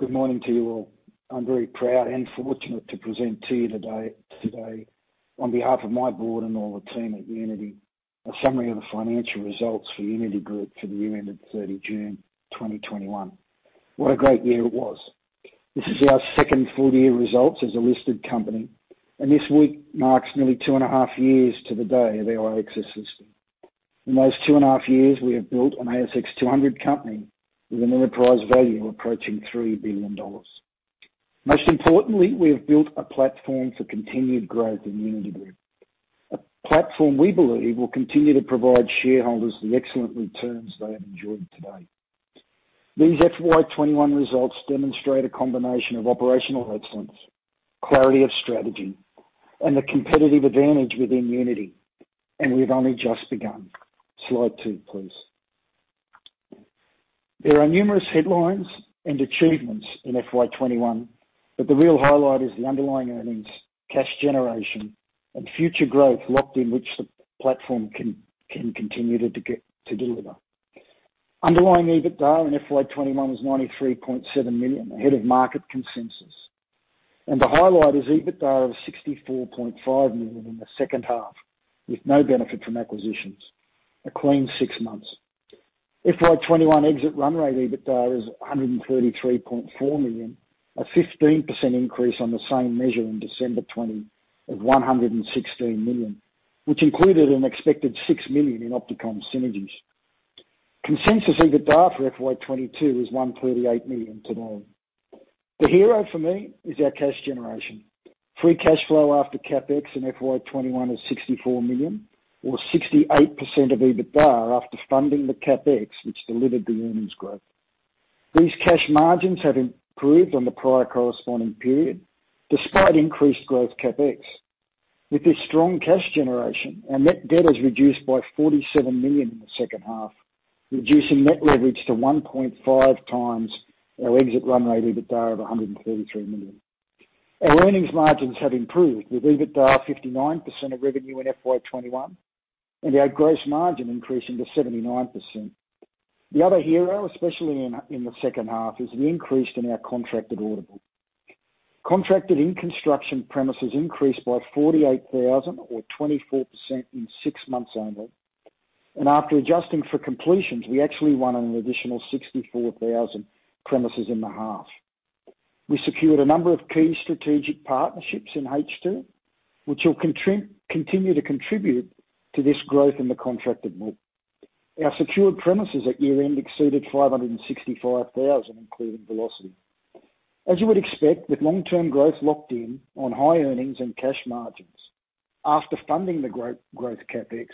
Good morning to you all. I'm very proud and fortunate to present to you today on behalf of my board and all the team at Uniti, a summary of the financial results for Uniti Group for the year ended June 30th, 2021. What a great year it was. This is our second full year results as a listed company, and this week marks nearly two and a half years to the day of our ASX listing. In those two and a half years, we have built an ASX 200 company with an enterprise value approaching 3 billion dollars. Most importantly, we have built a platform for continued growth in Uniti Group. A platform we believe will continue to provide shareholders the excellent returns they have enjoyed to date. These FY2021 results demonstrate a combination of operational excellence, clarity of strategy, and the competitive advantage within Uniti, and we've only just begun. Slide two, please. There are numerous headlines and achievements in FY 2021, but the real highlight is the underlying earnings, cash generation, and future growth locked in which the platform can continue to deliver. Underlying EBITDA in FY 2021 was 93.7 million, ahead of market consensus. The highlight is EBITDA of 64.5 million in the second half, with no benefit from acquisitions. A clean six months. FY 2021 exit run rate EBITDA is 133.4 million, a 15% increase on the same measure in December 2020 of 116 million, which included an expected 6 million in OptiComm synergies. Consensus EBITDA for FY 2022 is 138 million today. The hero for me is our cash generation. Free cash flow after CapEx in FY 2021 is 64 million, or 68% of EBITDA after funding the CapEx, which delivered the earnings growth. These cash margins have improved on the prior corresponding period, despite increased growth CapEx. With this strong cash generation, our net debt is reduced by 47 million in the second half, reducing net leverage to 1.5x our exit run rate EBITDA of 133 million. Our earnings margins have improved, with EBITDA 59% of revenue in FY 2021, and our gross margin increasing to 79%. The other hero, especially in the second half, is the increase in our contracted order book. Contracted in construction premises increased by 48,000 or 24% in 6 months only. After adjusting for completions, we actually won an additional 64,000 premises in the half. We secured a number of key strategic partnerships in H2, which will continue to contribute to this growth in the contracted book. Our secured premises at year-end exceeded 565,000, including Velocity. As you would expect with long-term growth locked in on high earnings and cash margins. After funding the growth CapEx,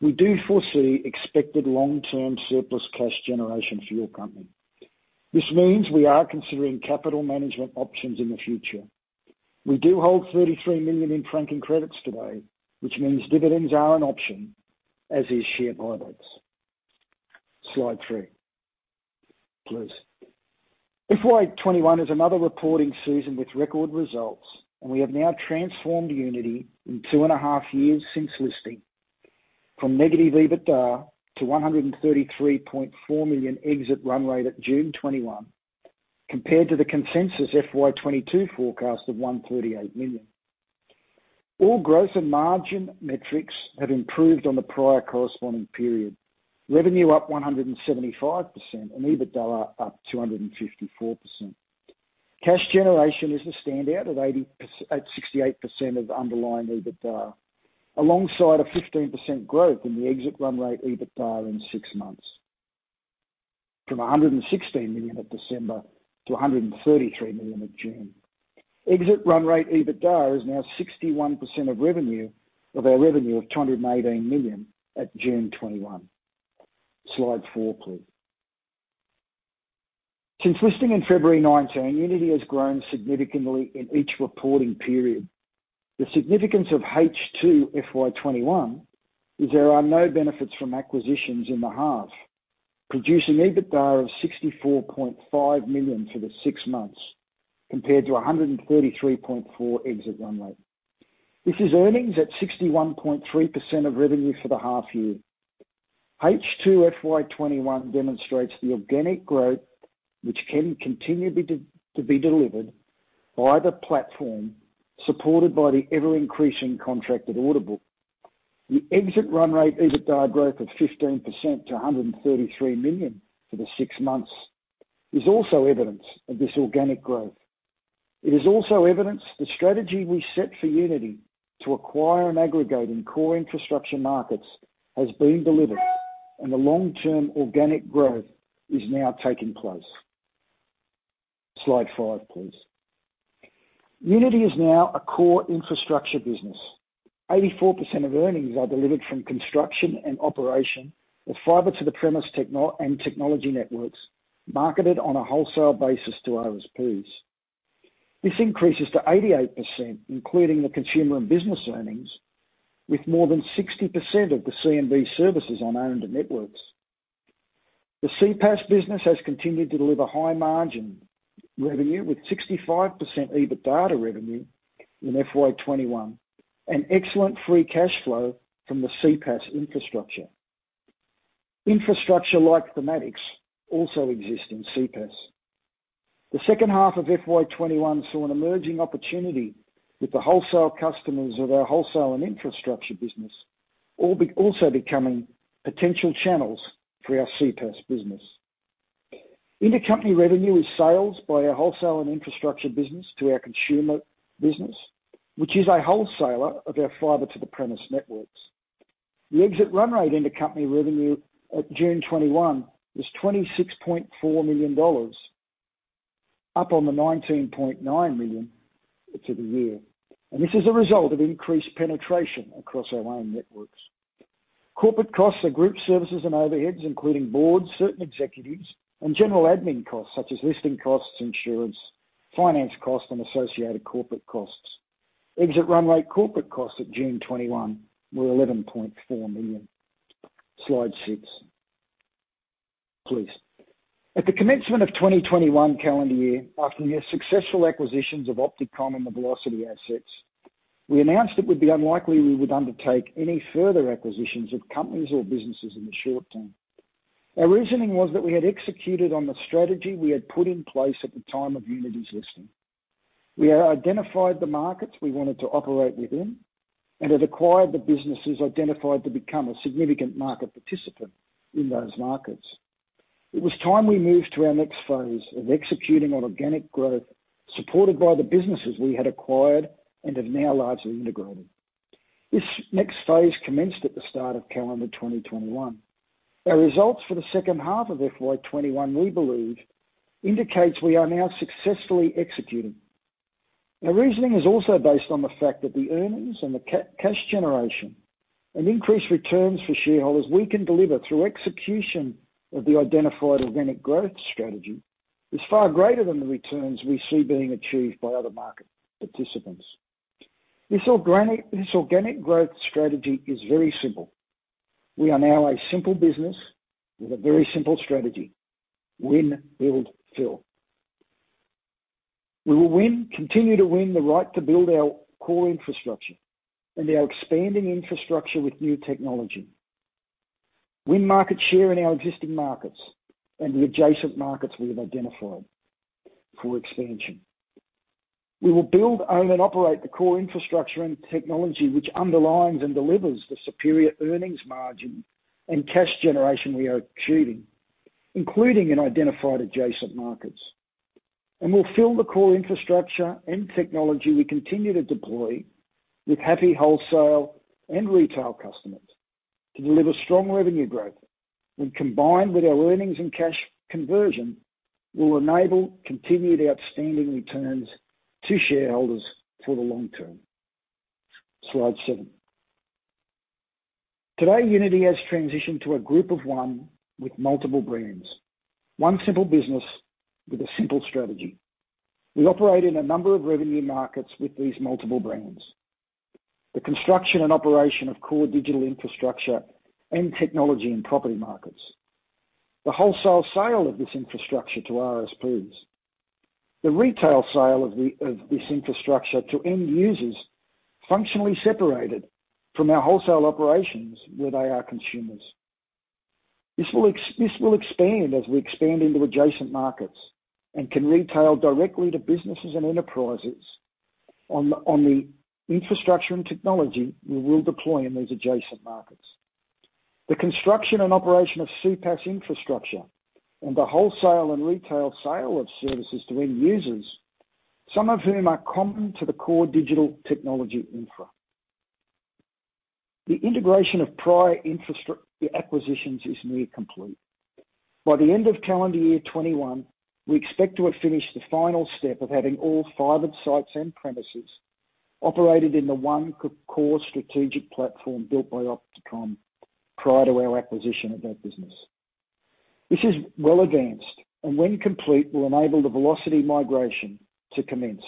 we do foresee expected long-term surplus cash generation for your company. This means we are considering capital management options in the future. We do hold 33 million in franking credits today, which means dividends are an option, as is share buybacks. Slide three, please. FY2021 is another reporting season with record results, and we have now transformed Uniti in 2.5 years since listing from negative EBITDA to 133.4 million exit run rate at June 2021, compared to the consensus FY22 forecast of 138 million. All growth and margin metrics have improved on the prior corresponding period. Revenue up 175% and EBITDA up 254%. Cash generation is the standout at 68% of underlying EBITDA, alongside a 15% growth in the exit run rate EBITDA in six months. From 116 million at December to 133 million at June. Exit run rate EBITDA is now 61% of our revenue of 218 million at June 2021. Slide four, please. Since listing in February 2019, Uniti has grown significantly in each reporting period. The significance of H2 FY21 is there are no benefits from acquisitions in the half, producing EBITDA of 64.5 million for the six months, compared to 133.4 million exit run rate. This is earnings at 61.3% of revenue for the half year. H2 FY2021 demonstrates the organic growth, which can continue to be delivered by the platform supported by the ever-increasing contracted order book. The exit run rate EBITDA growth of 15% to 133 million for the six months is also evidence of this organic growth. It is also evidence the strategy we set for Uniti to acquire and aggregate in core infrastructure markets has been delivered and the long-term organic growth is now taking place. Slide five, please. Uniti is now a core infrastructure business. 84% of earnings are delivered from construction and operation of fibre to the premise and technology networks marketed on a wholesale basis to ISPs. This increases to 88%, including the Consumer & Business earnings, with more than 60% of the C&B services on owned networks. The CPaaS business has continued to deliver high margin revenue with 65% EBITDA revenue in FY2021 and excellent free cash flow from the CPaaS infrastructure. Infrastructure like also exists in CPaaS. The second half of FY2021 saw an emerging opportunity with the wholesale customers of our Wholesale & Infrastructure business also becoming potential channels for our CPaaS business. Intercompany revenue is sales by our Wholesale & Infrastructure business to our Consumer & Business, which is a wholesaler of our fibre to the premise networks. The exit run rate intercompany revenue at June 2021 was 26.4 million dollars, up on the 19.9 million to the year. This is a result of increased penetration across our own networks. Corporate costs are group services and overheads, including board, certain executives, and general admin costs such as listing costs, insurance, finance costs, and associated corporate costs. Exit run rate corporate costs at June 2021 were 11.4 million. Slide six, please. At the commencement of 2021 calendar year, after the successful acquisitions of OptiComm and the Telstra Velocity assets, we announced it would be unlikely we would undertake any further acquisitions of companies or businesses in the short term. Our reasoning was that we had executed on the strategy we had put in place at the time of Uniti's listing. We had identified the markets we wanted to operate within and had acquired the businesses identified to become a significant market participant in those markets. It was time we moved to our next phase of executing on organic growth, supported by the businesses we had acquired and have now largely integrated. This next phase commenced at the start of calendar 2021. Our results for the second half of FY2021, we believe, indicates we are now successfully executing. Our reasoning is also based on the fact that the earnings and the cash generation and increased returns for shareholders we can deliver through execution of the identified organic growth strategy is far greater than the returns we see being achieved by other market participants. This organic growth strategy is very simple. We are now a simple business with a very simple strategy. Win, build, fill. We will continue to win the right to build our core infrastructure and our expanding infrastructure with new technology. Win market share in our existing markets and the adjacent markets we have identified for expansion. We will build, own, and operate the core infrastructure and technology which underlines and delivers the superior earnings margin and cash generation we are achieving, including in identified adjacent markets. We'll fill the core infrastructure and technology we continue to deploy with happy wholesale and retail customers to deliver strong revenue growth when combined with our earnings and cash conversion, will enable continued outstanding returns to shareholders for the long term. Slide seven. Today, Uniti has transitioned to a group of 1 with multiple brands. 1 simple business with a simple strategy. We operate in a number of revenue markets with these multiple brands. The construction and operation of core digital infrastructure and technology and property markets. The wholesale sale of this infrastructure to RSPs. The retail sale of this infrastructure to end users, functionally separated from our wholesale operations where they are consumers. This will expand as we expand into adjacent markets and can retail directly to businesses and enterprises on the infrastructure and technology we will deploy in those adjacent markets. The construction and operation of CPaaS infrastructure and the wholesale and retail sale of services to end users, some of whom are common to the core digital technology infra. The integration of prior infrastructure acquisitions is near complete. By the end of calendar year 2021, we expect to have finished the final step of having all fibered sites and premises operated in the one core strategic platform built by OptiComm prior to our acquisition of that business. This is well advanced, and when complete, will enable the Velocity migration to commence.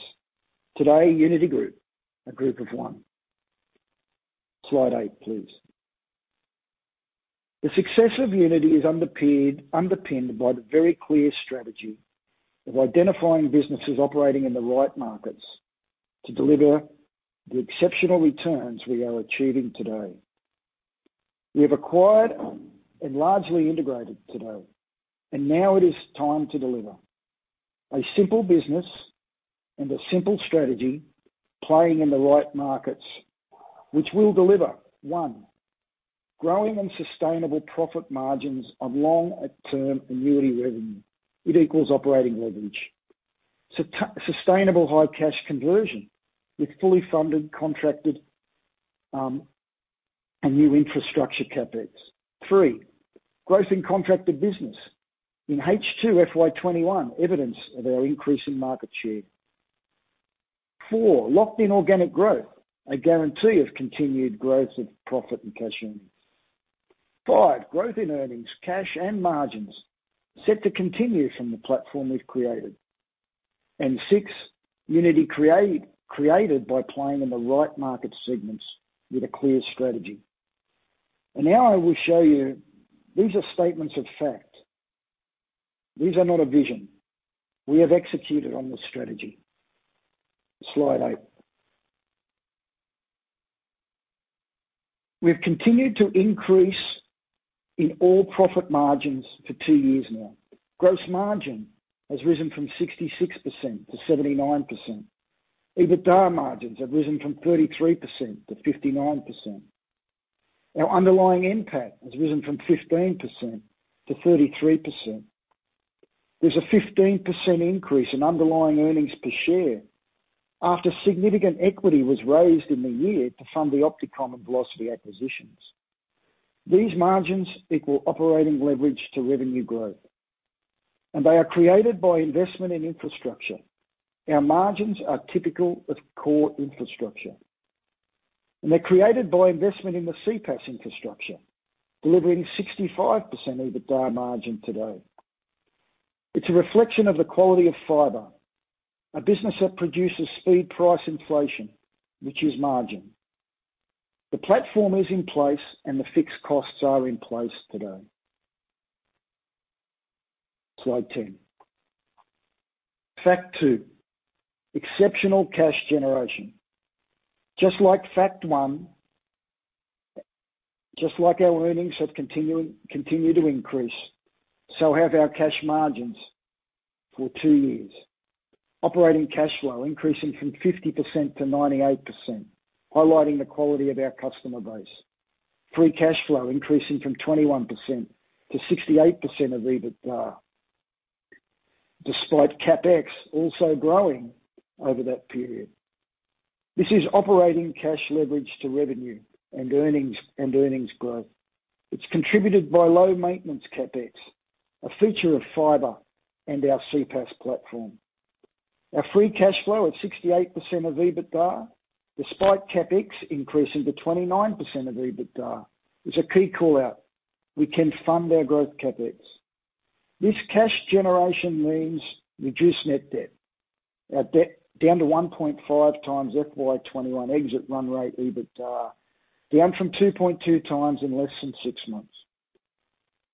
Today, Uniti Group, a group of one. Slide eight, please. The success of Uniti is underpinned by the very clear strategy of identifying businesses operating in the right markets to deliver the exceptional returns we are achieving today. We have acquired and largely integrated today. Now it is time to deliver. A simple business and a simple strategy playing in the right markets, which will deliver, one, growing and sustainable profit margins of long-term annuity revenue. It equals operating leverage. Sustainable high cash conversion with fully funded, contracted, and new infrastructure CapEx. Three, growth in contracted business. In H2 FY2021, evidence of our increasing market share. Four, locked-in organic growth, a guarantee of continued growth of profit and cash earnings. Five, growth in earnings, cash, and margins set to continue from the platform we've created. Six, Uniti created by playing in the right market segments with a clear strategy. Now I will show you, these are statements of fact. These are not a vision. We have executed on this strategy. Slide eight. We've continued to increase in all profit margins for two years now. Gross margin has risen from 66%-79%. EBITDA margins have risen from 33%-59%. Our underlying NPAT has risen from 15%-33%. There's a 15% increase in underlying earnings per share after significant equity was raised in the year to fund the OptiComm and Velocity acquisitions. These margins equal operating leverage to revenue growth, and they are created by investment in infrastructure. Our margins are typical of core infrastructure, and they're created by investment in the CPaaS infrastructure, delivering 65% EBITDA margin today. It's a reflection of the quality of fibre, a business that produces speed price inflation, which is margin. The platform is in place, and the fixed costs are in place today. Slide 10. Fact two, exceptional cash generation. Just like fact one, just like our earnings have continued to increase, so have our cash margins for two years. Operating cash flow increasing from 50%-98%, highlighting the quality of our customer base. Free cash flow increasing from 21%-68% of EBITDA, despite CapEx also growing over that period. This is operating cash leverage to revenue and earnings growth. It's contributed by low maintenance CapEx, a feature of fibre and our CPaaS platform. Our free cash flow at 68% of EBITDA, despite CapEx increasing to 29% of EBITDA, is a key call-out. We can fund our growth CapEx. This cash generation means reduced net debt. Our debt down to 1.5x FY2021 exit run rate EBITDA, down from 2.2x in less than six months.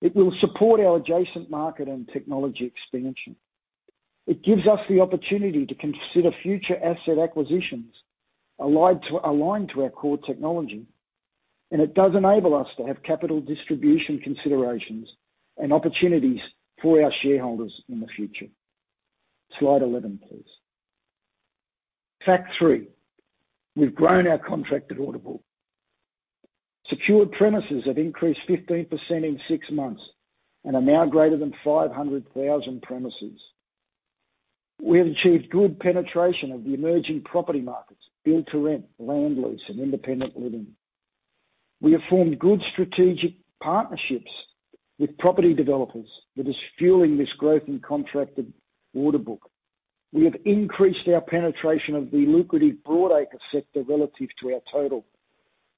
It will support our adjacent market and technology expansion. It gives us the opportunity to consider future asset acquisitions aligned to our core technology, and it does enable us to have capital distribution considerations and opportunities for our shareholders in the future. Slide 11, please. Fact three: We've grown our contracted order book. Secured premises have increased 15% in six months and are now greater than 500,000 premises. We have achieved good penetration of the emerging property markets: build-to-rent, land lease, and independent living. We have formed good strategic partnerships with property developers that is fueling this growth in contracted order book. We have increased our penetration of the lucrative broadacre sector relative to our total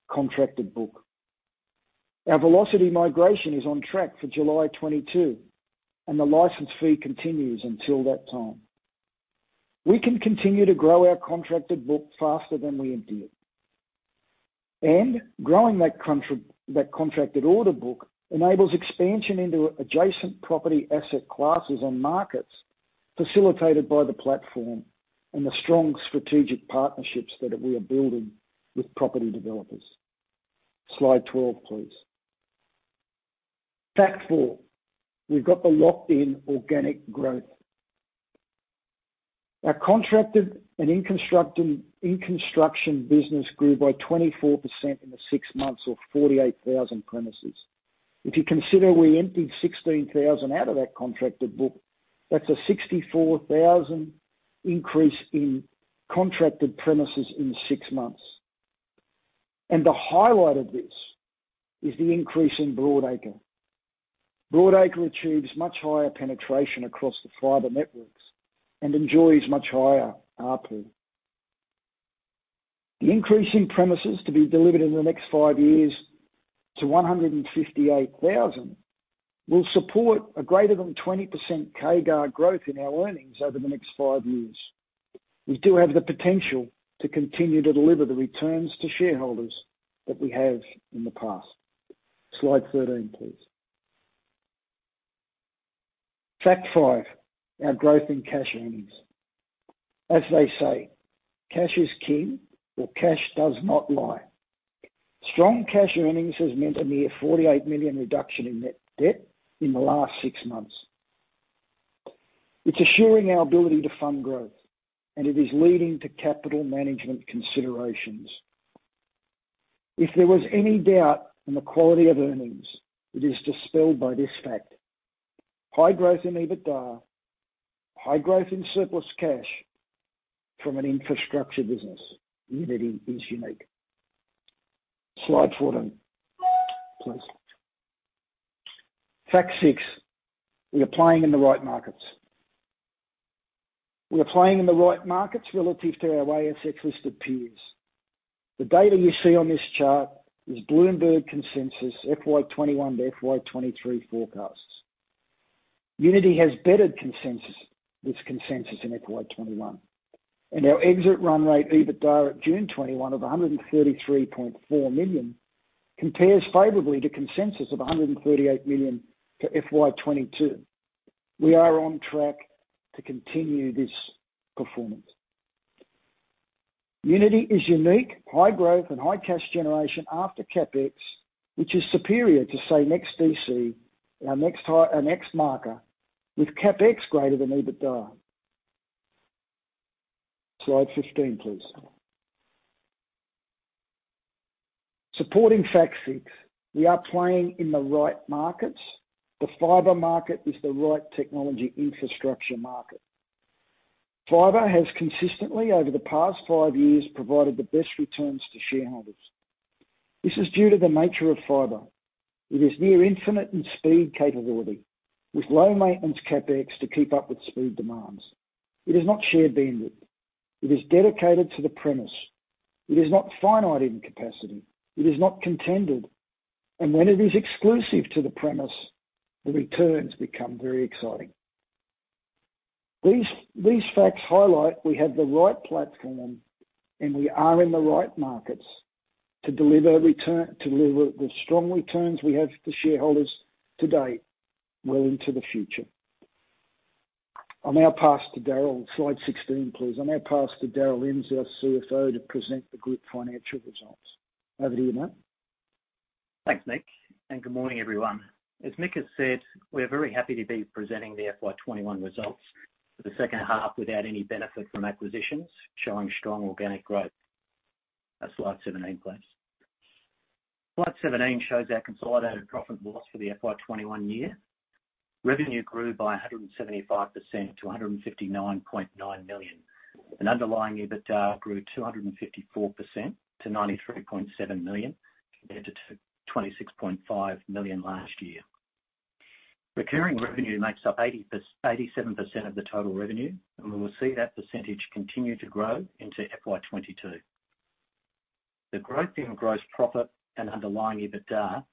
contracted book. Our Velocity migration is on track for July 2022, and the license fee continues until that time. We can continue to grow our contracted book faster than we emptied it. Growing that contracted order book enables expansion into adjacent property asset classes and markets facilitated by the platform and the strong strategic partnerships that we are building with property developers. Slide 12, please. Fact four: We've got the locked-in organic growth. Our contracted and in construction business grew by 24% in the six months or 48,000 premises. If you consider we emptied 16,000 out of that contracted book, that's a 64,000 increase in contracted premises in six months. The highlight of this is the increase in broadacre. Broadacre achieves much higher penetration across the fiber networks and enjoys much higher ARPU. The increase in premises to be delivered in the next five years to 158,000 will support a greater than 20% CAGR growth in our earnings over the next five years. We still have the potential to continue to deliver the returns to shareholders that we have in the past. Slide 13, please. Fact five: Our growth in cash earnings. As they say, cash is king or cash does not lie. Strong cash earnings has meant a near 48 million reduction in net debt in the last six months. It's assuring our ability to fund growth. It is leading to capital management considerations. If there was any doubt in the quality of earnings, it is dispelled by this fact. High growth in EBITDA, high growth in surplus cash from an infrastructure business. Uniti is unique. Slide 14, please. Fact six: We are playing in the right markets. We are playing in the right markets relative to our ASX-listed peers. The data you see on this chart is Bloomberg consensus FY 2021-FY 2023 forecasts. Uniti has bettered consensus this consensus in FY 2021. And our exit run rate EBITDA at June 2021 of 133.4 million compares favorably to consensus of 138 million to FY 2022. We are on track to continue this performance. Uniti is unique, high growth, and high cash generation after CapEx, which is superior to, say, NEXTDC, our next marker, with CapEx greater than EBITDA. Slide 15, please. Supporting fact six, we are playing in the right markets. The fiber market is the right technology infrastructure market. Fiber has consistently, over the past five years, provided the best returns to shareholders. This is due to the nature of fiber. It is near infinite in speed capability, with low maintenance CapEx to keep up with speed demands. It is not shared bandwidth. It is dedicated to the premise. It is not finite in capacity. It is not contended. When it is exclusive to the premise, the returns become very exciting. These facts highlight we have the right platform, and we are in the right markets to deliver the strong returns we have for shareholders today well into the future. I'll now pass to Darryl. Slide 16, please. I now pass to Darryl Inns, our CFO, to present the group financial results. Over to you, Darryl. Thanks, Michael, and good morning, everyone. As Michael has said, we are very happy to be presenting the FY2021 results for the second half without any benefit from acquisitions, showing strong organic growth. Slide 17, please. Slide 17 shows our consolidated profit and loss for the FY2021 year. Revenue grew by 175% to 159.9 million, and underlying EBITDA grew 254% to 93.7 million compared to 26.5 million last year. Recurring revenue makes up 87% of the total revenue, and we will see that percentage continue to grow into FY2022. The growth in gross profit and underlying EBITDA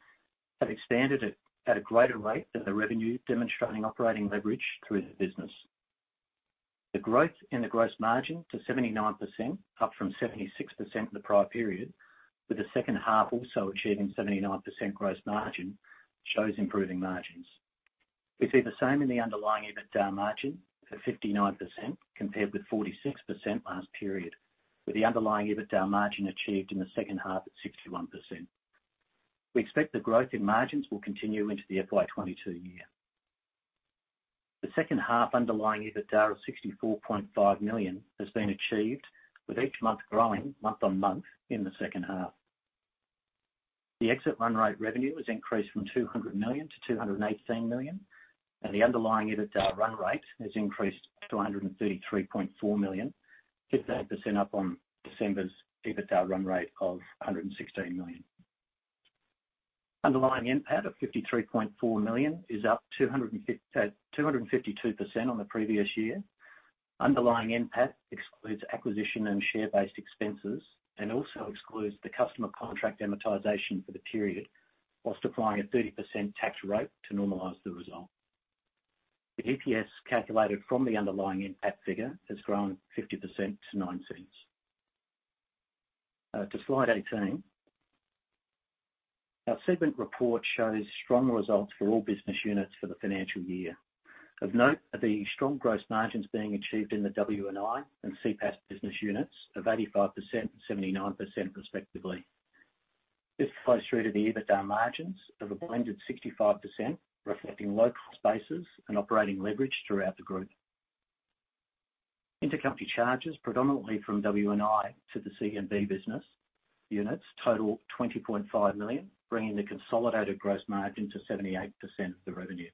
have expanded at a greater rate than the revenue, demonstrating operating leverage through the business. The growth in the gross margin to 79%, up from 76% in the prior period, with the second half also achieving 79% gross margin, shows improving margins. We see the same in the underlying EBITDA margin at 59% compared with 46% last period, with the underlying EBITDA margin achieved in the second half at 61%. We expect the growth in margins will continue into the FY2022 year. The second half underlying EBITDA of 64.5 million has been achieved with each month growing month-on-month in the second half. The exit run rate revenue has increased from 200 million-218 million, and the underlying EBITDA run rate has increased to 133.4 million, 15% up on December's EBITDA run rate of 116 million. Underlying NPAT of 53.4 million is up 252% on the previous year. Underlying NPAT excludes acquisition and share-based expenses and also excludes the customer contract amortization for the period whilst applying a 30% tax rate to normalize the result. The EPS calculated from the underlying NPAT figure has grown 50% to 0.09. To slide 18. Our segment report shows strong results for all business units for the financial year. Of note are the strong gross margins being achieved in the W&I and CPaaS business units of 85% and 79%, respectively. This flows through to the EBITDA margins of a blended 65%, reflecting low cost bases and operating leverage throughout the group. Intercompany charges, predominantly from W&I to the C&B business units, total 20.5 million, bringing the consolidated gross margin to 78% of the revenue.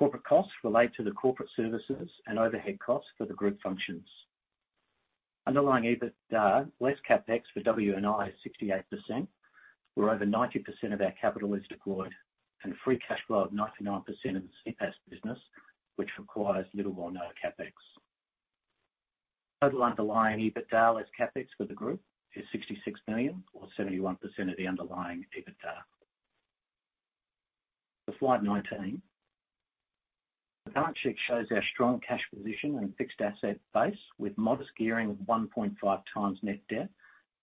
Corporate costs relate to the corporate services and overhead costs for the group functions. Underlying EBITDA, less CapEx for W&I is 68%, where over 90% of our capital is deployed, and free cash flow of 99% in the CPaaS business, which requires little or no CapEx. Total underlying EBITDA less CapEx for the group is 66 million, or 71% of the underlying EBITDA. To slide 19. The balance sheet shows our strong cash position and fixed asset base, with modest gearing of 1.5x net debt,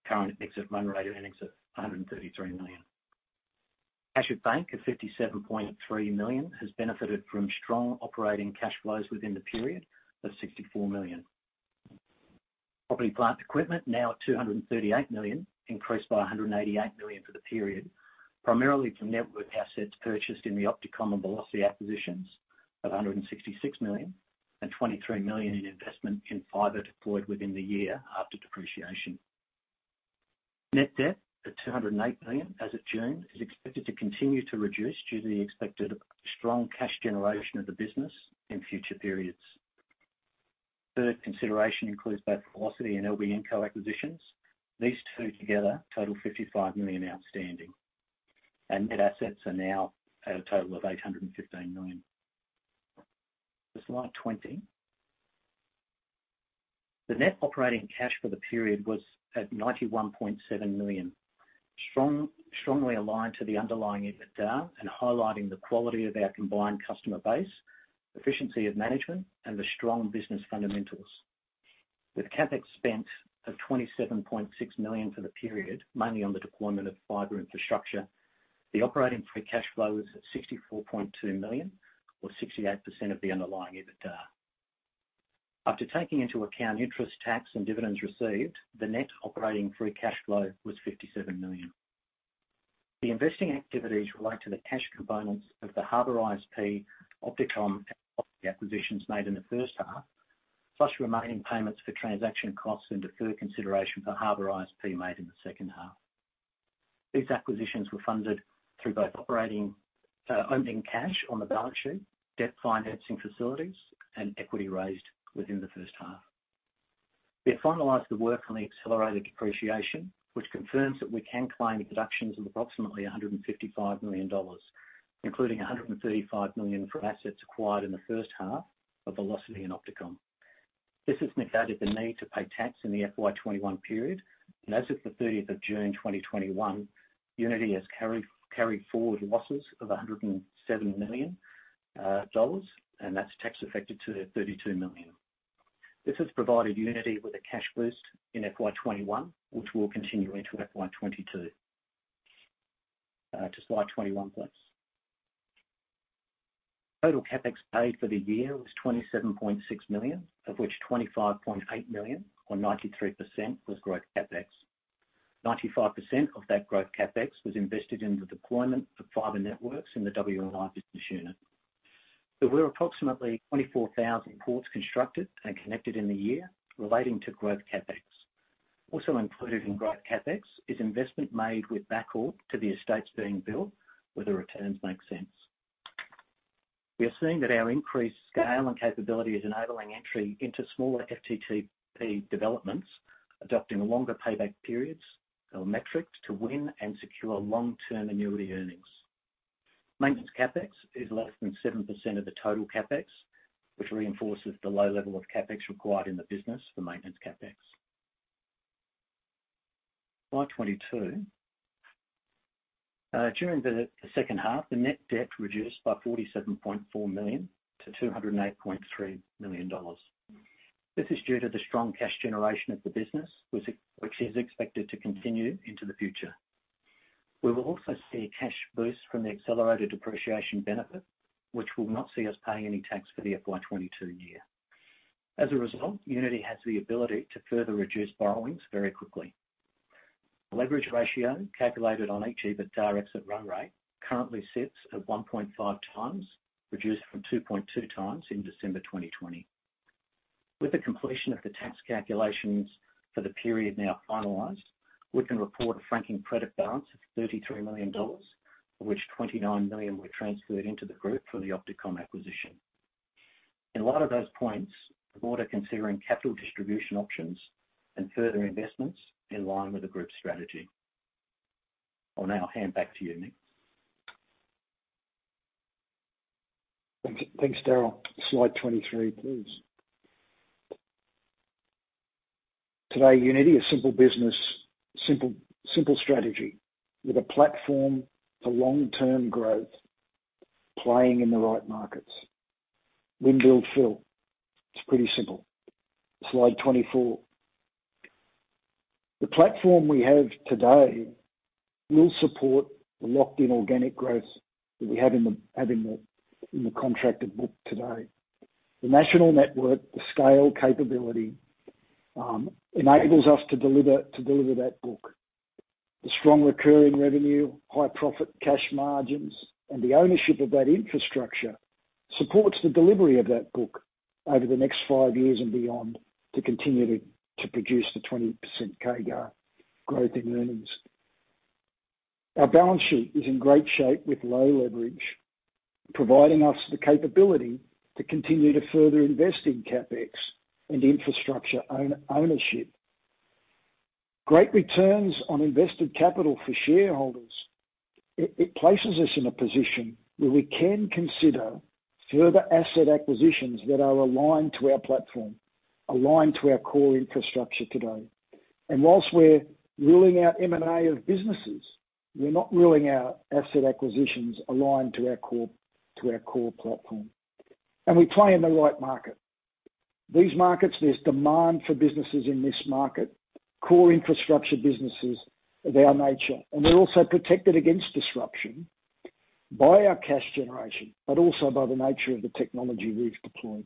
current exit run rate earnings of 133 million. Cash at bank of 57.3 million has benefited from strong operating cash flows within the period of 64 million. Property, plant, equipment now at 238 million, increased by 188 million for the period, primarily from network assets purchased in the OptiComm and Telstra Velocity acquisitions of 166 million and 23 million in investment in fiber deployed within the year after depreciation. Net debt of 208 million as of June is expected to continue to reduce due to the expected strong cash generation of the business in future periods. Deferred consideration includes both Telstra Velocity and LBNCo acquisitions. These two together total 55 million outstanding, and net assets are now at a total of 815 million. To slide 20. The net operating cash for the period was at 91.7 million. Strongly aligned to the underlying EBITDA and highlighting the quality of our combined customer base, efficiency of management, and the strong business fundamentals. With CapEx spent of 27.6 million for the period, mainly on the deployment of fiber infrastructure, the operating free cash flow is at 64.2 million or 68% of the underlying EBITDA. After taking into account interest, tax, and dividends received, the net operating free cash flow was 57 million. The investing activities relate to the cash components of the Harbour ISP, OptiComm, and Velocity acquisitions made in the first half, plus remaining payments for transaction costs and deferred consideration for Harbour ISP made in the second half. These acquisitions were funded through both opening cash on the balance sheet, debt financing facilities, and equity raised within the first half. We have finalized the work on the accelerated depreciation, which confirms that we can claim deductions of approximately AUD 155 million, including AUD 135 million for assets acquired in the first half of Telstra Velocity and OptiComm. This has negated the need to pay tax in the FY 2021 period, and as of the June 30th, 2021, Uniti has carried forward losses of 107 million dollars, and that's tax affected to 32 million. This has provided Uniti with a cash boost in FY2021, which will continue into FY2022. To slide 21, please. Total CapEx paid for the year was 27.6 million, of which 25.8 million or 93% was growth CapEx. 95% of that growth CapEx was invested in the deployment of fiber networks in the W&I business unit. There were approximately 24,000 ports constructed and connected in the year relating to growth CapEx. Also included in growth CapEx is investment made with backhaul to the estates being built where the returns make sense. We are seeing that our increased scale and capability is enabling entry into smaller FTTP developments, adopting longer payback periods or metrics to win and secure long-term annuity earnings. Maintenance CapEx is less than 7% of the total CapEx, which reinforces the low level of CapEx required in the business for maintenance CapEx. Slide 22. During the second half, the net debt reduced by 47.4 million-208.3 million dollars. This is due to the strong cash generation of the business, which is expected to continue into the future. We will also see a cash boost from the accelerated depreciation benefit, which will not see us paying any tax for the FY 2022 year. As a result, Uniti has the ability to further reduce borrowings very quickly. The leverage ratio calculated on each EBITDA exit run rate currently sits at 1.5x, reduced from 2.2x in December 2020. With the completion of the tax calculations for the period now finalized, we can report a franking credit balance of 33 million dollars, of which 29 million were transferred into the group for the OptiComm acquisition. In light of those points, the board are considering capital distribution options and further investments in line with the group's strategy. I'll now hand back to you, Michael. Thanks, Darryl. Slide 23, please. Today, Uniti, a simple business, simple strategy with a platform for long-term growth, playing in the right markets. Win, build, fill. It's pretty simple. Slide 24. The platform we have today will support the locked-in organic growth that we have in the contracted book today. The national network, the scale capability, enables us to deliver that book. The strong recurring revenue, high profit cash margins, and the ownership of that infrastructure supports the delivery of that book over the next five years and beyond, to continue to produce the 20% CAGR growth in earnings. Our balance sheet is in great shape with low leverage, providing us the capability to continue to further invest in CapEx and infrastructure ownership. Great returns on invested capital for shareholders. It places us in a position where we can consider further asset acquisitions that are aligned to our platform, aligned to our core infrastructure today. Whilst we're ruling out M&A of businesses, we're not ruling out asset acquisitions aligned to our core platform. We play in the right market. These markets, there's demand for businesses in this market, core infrastructure businesses of our nature. We're also protected against disruption by our cash generation, but also by the nature of the technology we've deployed.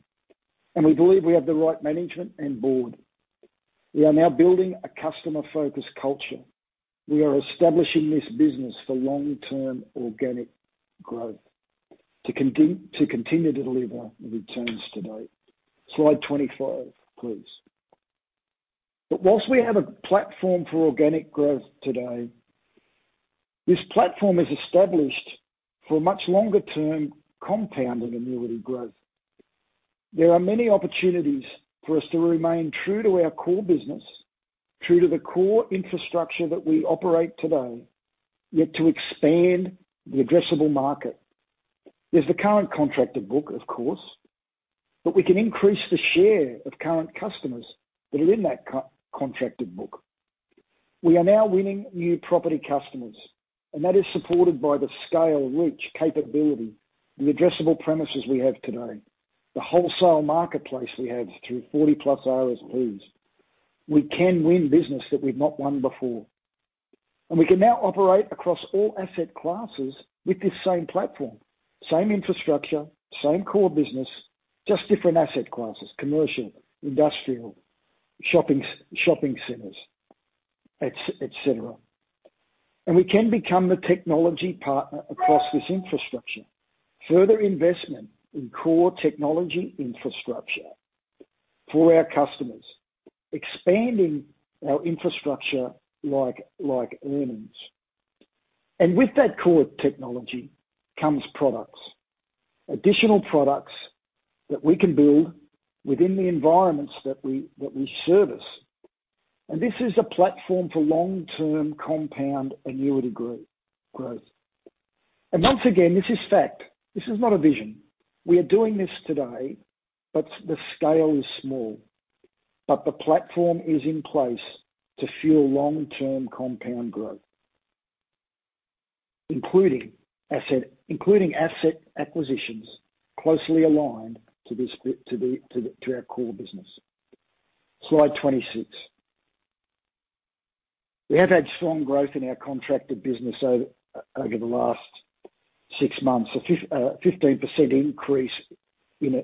We believe we have the right management and board. We are now building a customer-focused culture. We are establishing this business for long-term organic growth to continue to deliver the returns today. Slide 25, please. Whilst we have a platform for organic growth today, this platform is established for a much longer term compounded annuity growth. There are many opportunities for us to remain true to our core business, true to the core infrastructure that we operate today, yet to expand the addressable market. There's the current contracted book, of course, but we can increase the share of current customers that are in that contracted book. We are now winning new property customers, and that is supported by the scale, reach, capability, and addressable premises we have today, the wholesale marketplace we have through 40+ RSPs. We can win business that we've not won before. We can now operate across all asset classes with this same platform, same infrastructure, same core business, just different asset classes, commercial, industrial, shopping centers, et cetera. We can become the technology partner across this infrastructure. Further investment in core technology infrastructure for our customers, expanding our infrastructure like earnings. With that core technology comes products. Additional products that we can build within the environments that we service. This is a platform for long-term compound annuity growth. Once again, this is fact. This is not a vision. We are doing this today, but the scale is small. The platform is in place to fuel long-term compound growth, including asset acquisitions closely aligned to our core business. Slide 26. We have had strong growth in our contracted business over the last six months. A 15% increase in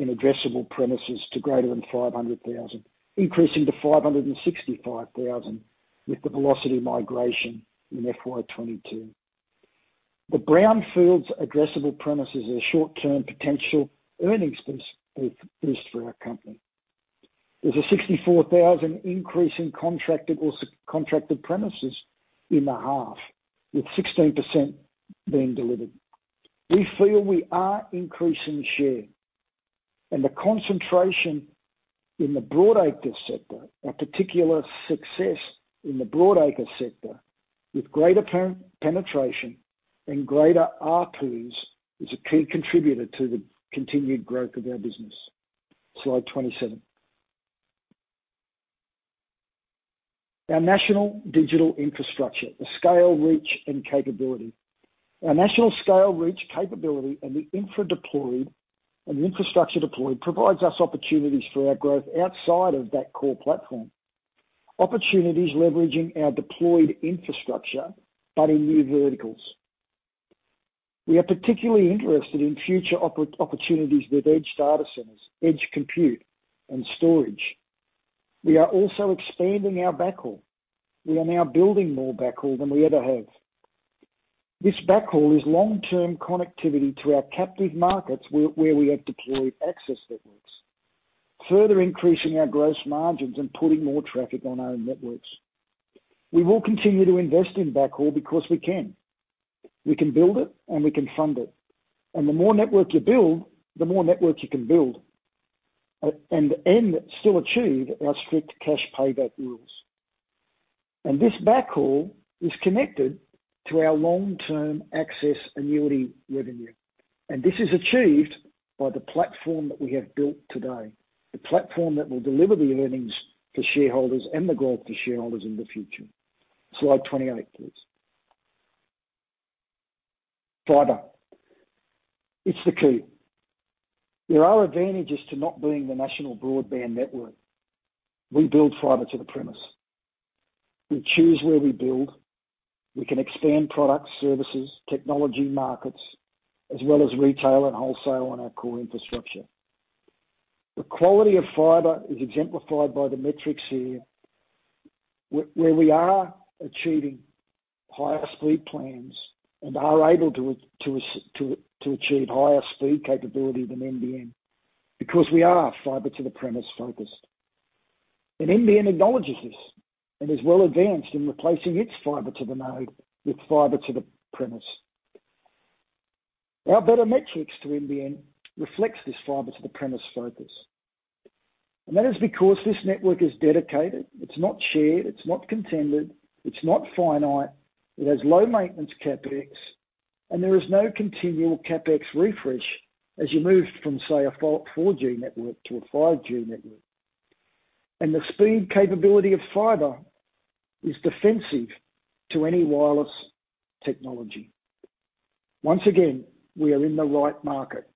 addressable premises to greater than 500,000, increasing to 565,000 with the Telstra Velocity migration in FY2022. The brownfields addressable premises are a short-term potential earnings boost for our company. There's a 64,000 increase in contracted premises in the half, with 16% being delivered. We feel we are increasing share and the concentration in the broadacre sector, our particular success in the broadacre sector, with greater penetration and greater ARPU is a key contributor to the continued growth of our business. Slide 27. Our national digital infrastructure, the scale, reach, and capability. Our national scale, reach, capability, and the infrastructure deployed provides us opportunities for our growth outside of that core platform. Opportunities leveraging our deployed infrastructure, in new verticals. We are particularly interested in future opportunities with edge data centers, edge compute, and storage. We are also expanding our backhaul. We are now building more backhaul than we ever have. This backhaul is long-term connectivity to our captive markets where we have deployed access networks, further increasing our gross margins and putting more traffic on our own networks. We will continue to invest in backhaul because we can. We can build it, and we can fund it. The more network you build, the more network you can build, and still achieve our strict cash payback rules. This backhaul is connected to our long-term access annuity revenue. This is achieved by the platform that we have built today, the platform that will deliver the earnings for shareholders and the growth for shareholders in the future. Slide 28, please. Fibre. It's the key. There are advantages to not being the National Broadband Network. We build Fibre to the Premise. We choose where we build. We can expand products, services, technology markets, as well as retail and wholesale on our core infrastructure. The quality of Fibre is exemplified by the metrics here, where we are achieving higher speed plans and are able to achieve higher speed capability than NBN because we are Fibre to the Premise focused. NBN acknowledges this and is well advanced in replacing its Fibre to the Node with Fibre to the Premise. Our better metrics to NBN reflects this Fibre to the Premise focus. That is because this network is dedicated. It's not shared, it's not contended, it's not finite, it has low maintenance CapEx, and there is no continual CapEx refresh as you move from, say, a 4G network to a 5G network. The speed capability of fibre is defensive to any wireless technology. Once again, we are in the right market.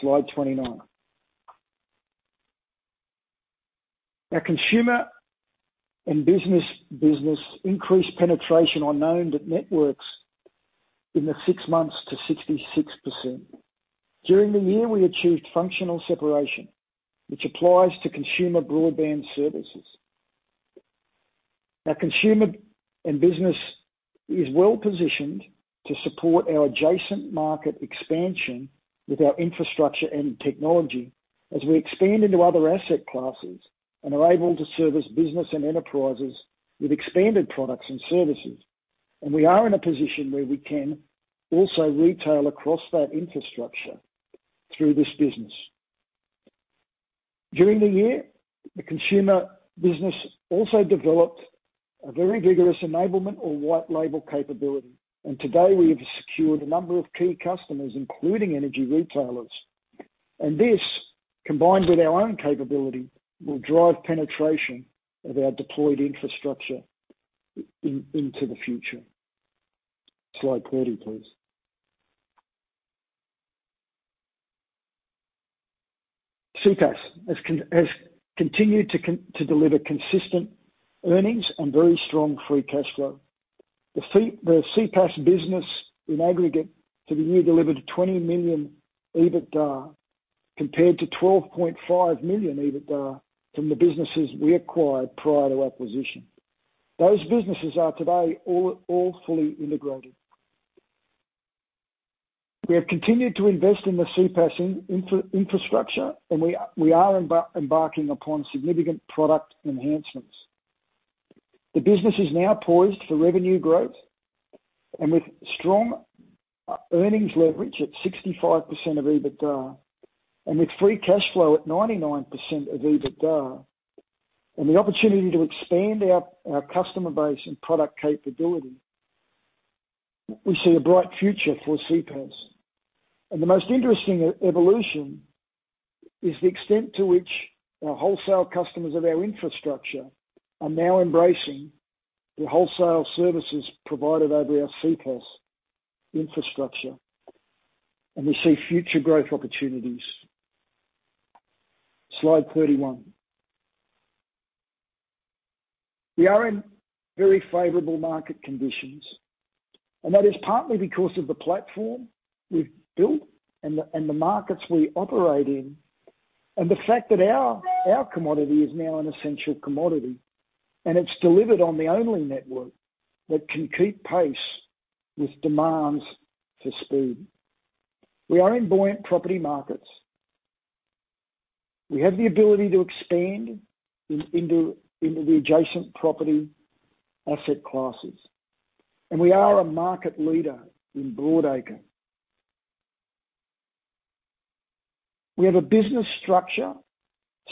Slide 29. Our Consumer & Business increased penetration on owned networks in the six months to 66%. During the year, we achieved functional separation, which applies to consumer broadband services. Our Consumer & Business is well-positioned to support our adjacent market expansion with our infrastructure and technology as we expand into other asset classes and are able to service business and enterprises with expanded products and services. We are in a position where we can also retail across that infrastructure through this business. During the year, the Consumer & Business also developed a very vigorous enablement or white label capability. Today we have secured a number of key customers, including energy retailers. This, combined with our own capability, will drive penetration of our deployed infrastructure into the future. Slide 30, please. CPaaS has continued to deliver consistent earnings and very strong free cash flow. The CPaaS business in aggregate for the year delivered an 20 million EBITDA, compared to 12.5 million EBITDA from the businesses we acquired prior to acquisition. Those businesses are today all fully integrated. We have continued to invest in the CPaaS infrastructure, and we are embarking upon significant product enhancements. The business is now poised for revenue growth and with strong earnings leverage at 65% of EBITDA, and with free cash flow at 99% of EBITDA, and the opportunity to expand our customer base and product capability, we see a bright future for CPaaS. The most interesting evolution is the extent to which our wholesale customers of our infrastructure are now embracing the wholesale services provided over our CPaaS infrastructure. We see future growth opportunities. Slide 31. We are in very favorable market conditions, and that is partly because of the platform we've built and the markets we operate in, and the fact that our commodity is now an essential commodity. It's delivered on the only network that can keep pace with demands for speed. We are in buoyant property markets. We have the ability to expand into the adjacent property asset classes. We are a market leader in broadacre. We have a business structure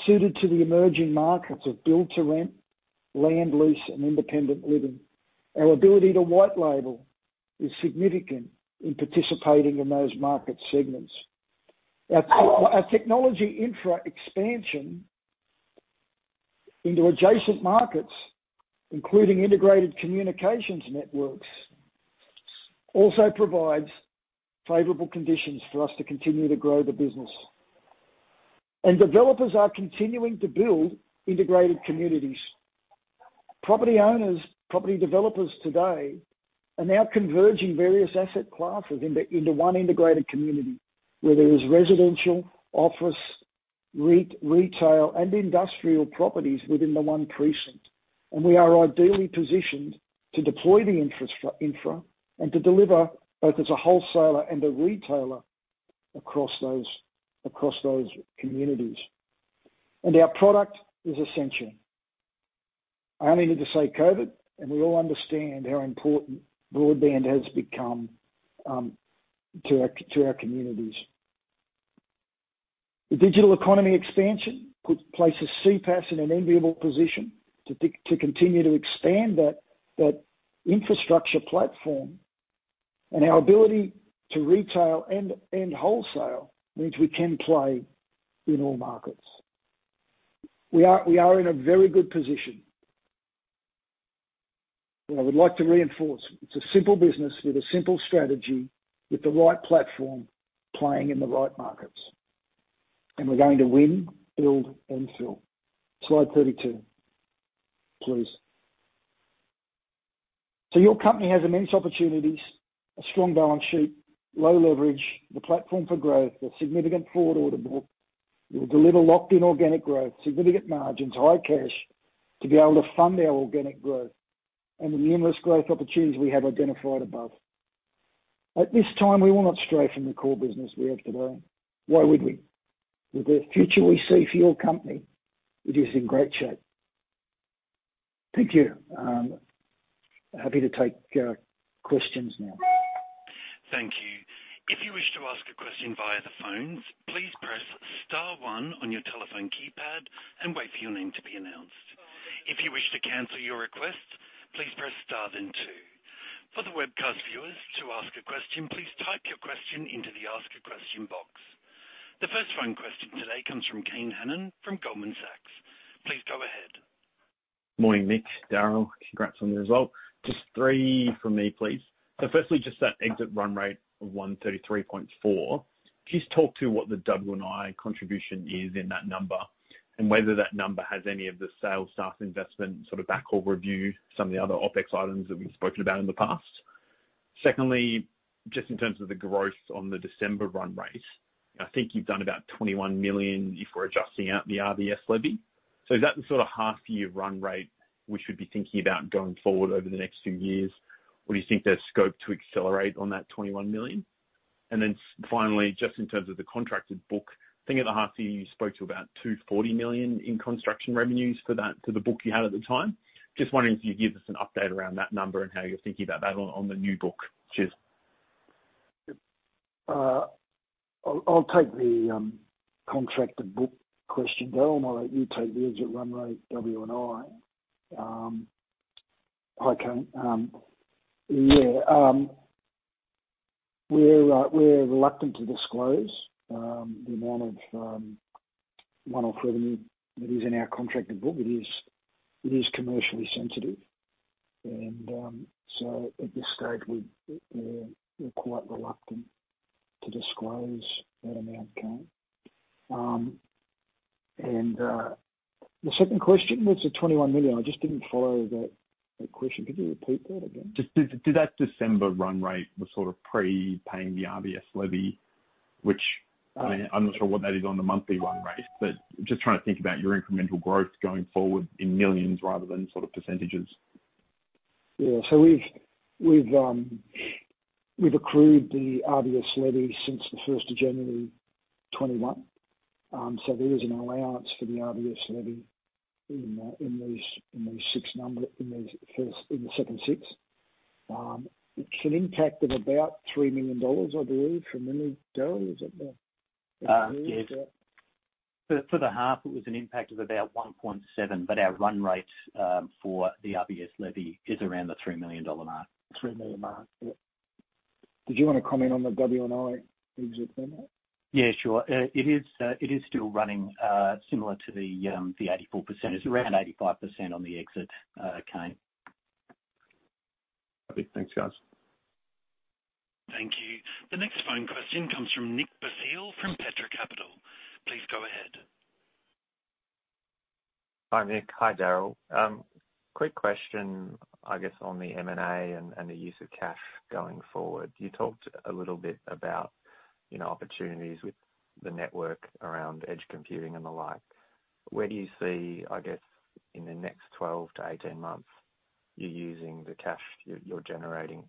suited to the emerging markets of build-to-rent, land lease, and independent living. Our ability to white label is significant in participating in those market segments. Our technology infra expansion into adjacent markets, including integrated communications networks, also provides favorable conditions for us to continue to grow the business. Developers are continuing to build integrated communities. Property owners, property developers today are now converging various asset classes into one integrated community, where there is residential, office, retail, and industrial properties within the one precinct. We are ideally positioned to deploy the infra and to deliver both as a wholesaler and a retailer across those communities. Our product is essential. I only need to say COVID, and we all understand how important broadband has become to our communities. The digital economy expansion places CPaaS in an enviable position to continue to expand that infrastructure platform. Our ability to retail and wholesale means we can play in all markets. We are in a very good position. I would like to reinforce, it's a simple business with a simple strategy with the right platform playing in the right markets. We're going to win, build, and fill. Slide 32, please. Your company has immense opportunities, a strong balance sheet, low leverage, the platform for growth, a significant forward order book. We'll deliver locked-in organic growth, significant margins, high cash to be able to fund our organic growth and the numerous growth opportunities we have identified above. At this time, we will not stray from the core business we have today. Why would we? With the future we see for your company, it is in great shape. Thank you. Happy to take questions now. Thank you. The first phone question today comes from Kane Hannan from Goldman Sachs. Please go ahead. Morning, Michael, Darryl. Congrats on the result. Just three from me, please. Firstly, just that exit run rate of 133.4. Can you just talk to what the W&I contribution is in that number, and whether that number has any of the sales staff investment sort of backhaul review, some of the other OpEx items that we've spoken about in the past? Secondly, just in terms of the growth on the December run rate, I think you've done about 21 million if we're adjusting out the RBS levy. Is that the sort of half-year run rate we should be thinking about going forward over the next few years? Or do you think there's scope to accelerate on that 21 million? Finally, just in terms of the contracted book, I think at the half year you spoke to about 240 million in construction revenues for the book you had at the time. Just wondering if you could give us an update around that number and how you're thinking about that on the new book? Cheers I'll take the contracted book question, Darryl, and I'll let you take the exit run rate W&I. Hi, Kane. Yeah. We're reluctant to disclose the amount of one-off revenue that is in our contracted book. It is commercially sensitive. At this stage, we're quite reluctant to disclose that amount, Kane. The second question, was the 21 million. I just didn't follow that question. Could you repeat that again? Did that December run rate was sort of pre-paying the RBS levy, which, I'm not sure what that is on the monthly run rate, but just trying to think about your incremental growth going forward in millions rather than percentages. Yeah. We've accrued the RBS levy since the January 1st, 2021. There is an allowance for the RBS levy in the second six. It's an impact of about 3 million dollars, I believe, from memory. Darryl, is that the? Yeah. For the half, it was an impact of about 1.7, but our run rate for the RBS levy is around the 3 million dollar mark. 3 million mark. Yeah. Did you want to comment on the W&I exit run rate? Yeah, sure. It is still running similar to the 84%. It's around 85% on the exit, Kane. Perfect. Thanks, guys. Thank you. The next phone question comes from Nick Basile from Petra Capital. Please go ahead. Hi, Michael. Hi, Darryl. Quick question, I guess, on the M&A and the use of cash going forward. You talked a little bit about opportunities with the network around edge computing and the like. Where do you see, I guess, in the next 12-18 months, you using the cash you're generating?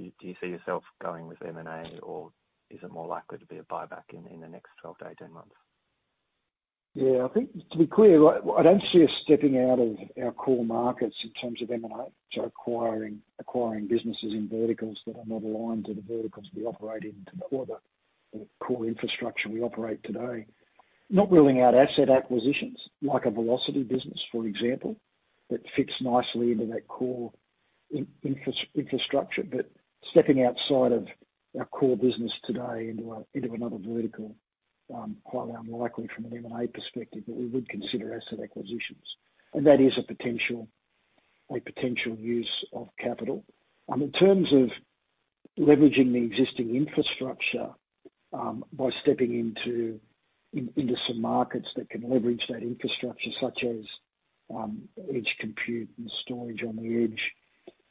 Do you see yourself going with M&A, or is it more likely to be a buyback in the next 12-18 months? I think to be clear, I don't see us stepping out of our core markets in terms of M&A to acquiring businesses in verticals that are not aligned to the verticals we operate in or the core infrastructure we operate today. Not ruling out asset acquisitions, like a Telstra Velocity business, for example, that fits nicely into that core infrastructure. Stepping outside of our core business today into another vertical, quite unlikely from an M&A perspective, but we would consider asset acquisitions. That is a potential use of capital. In terms of leveraging the existing infrastructure by stepping into some markets that can leverage that infrastructure, such as edge compute and storage on the edge,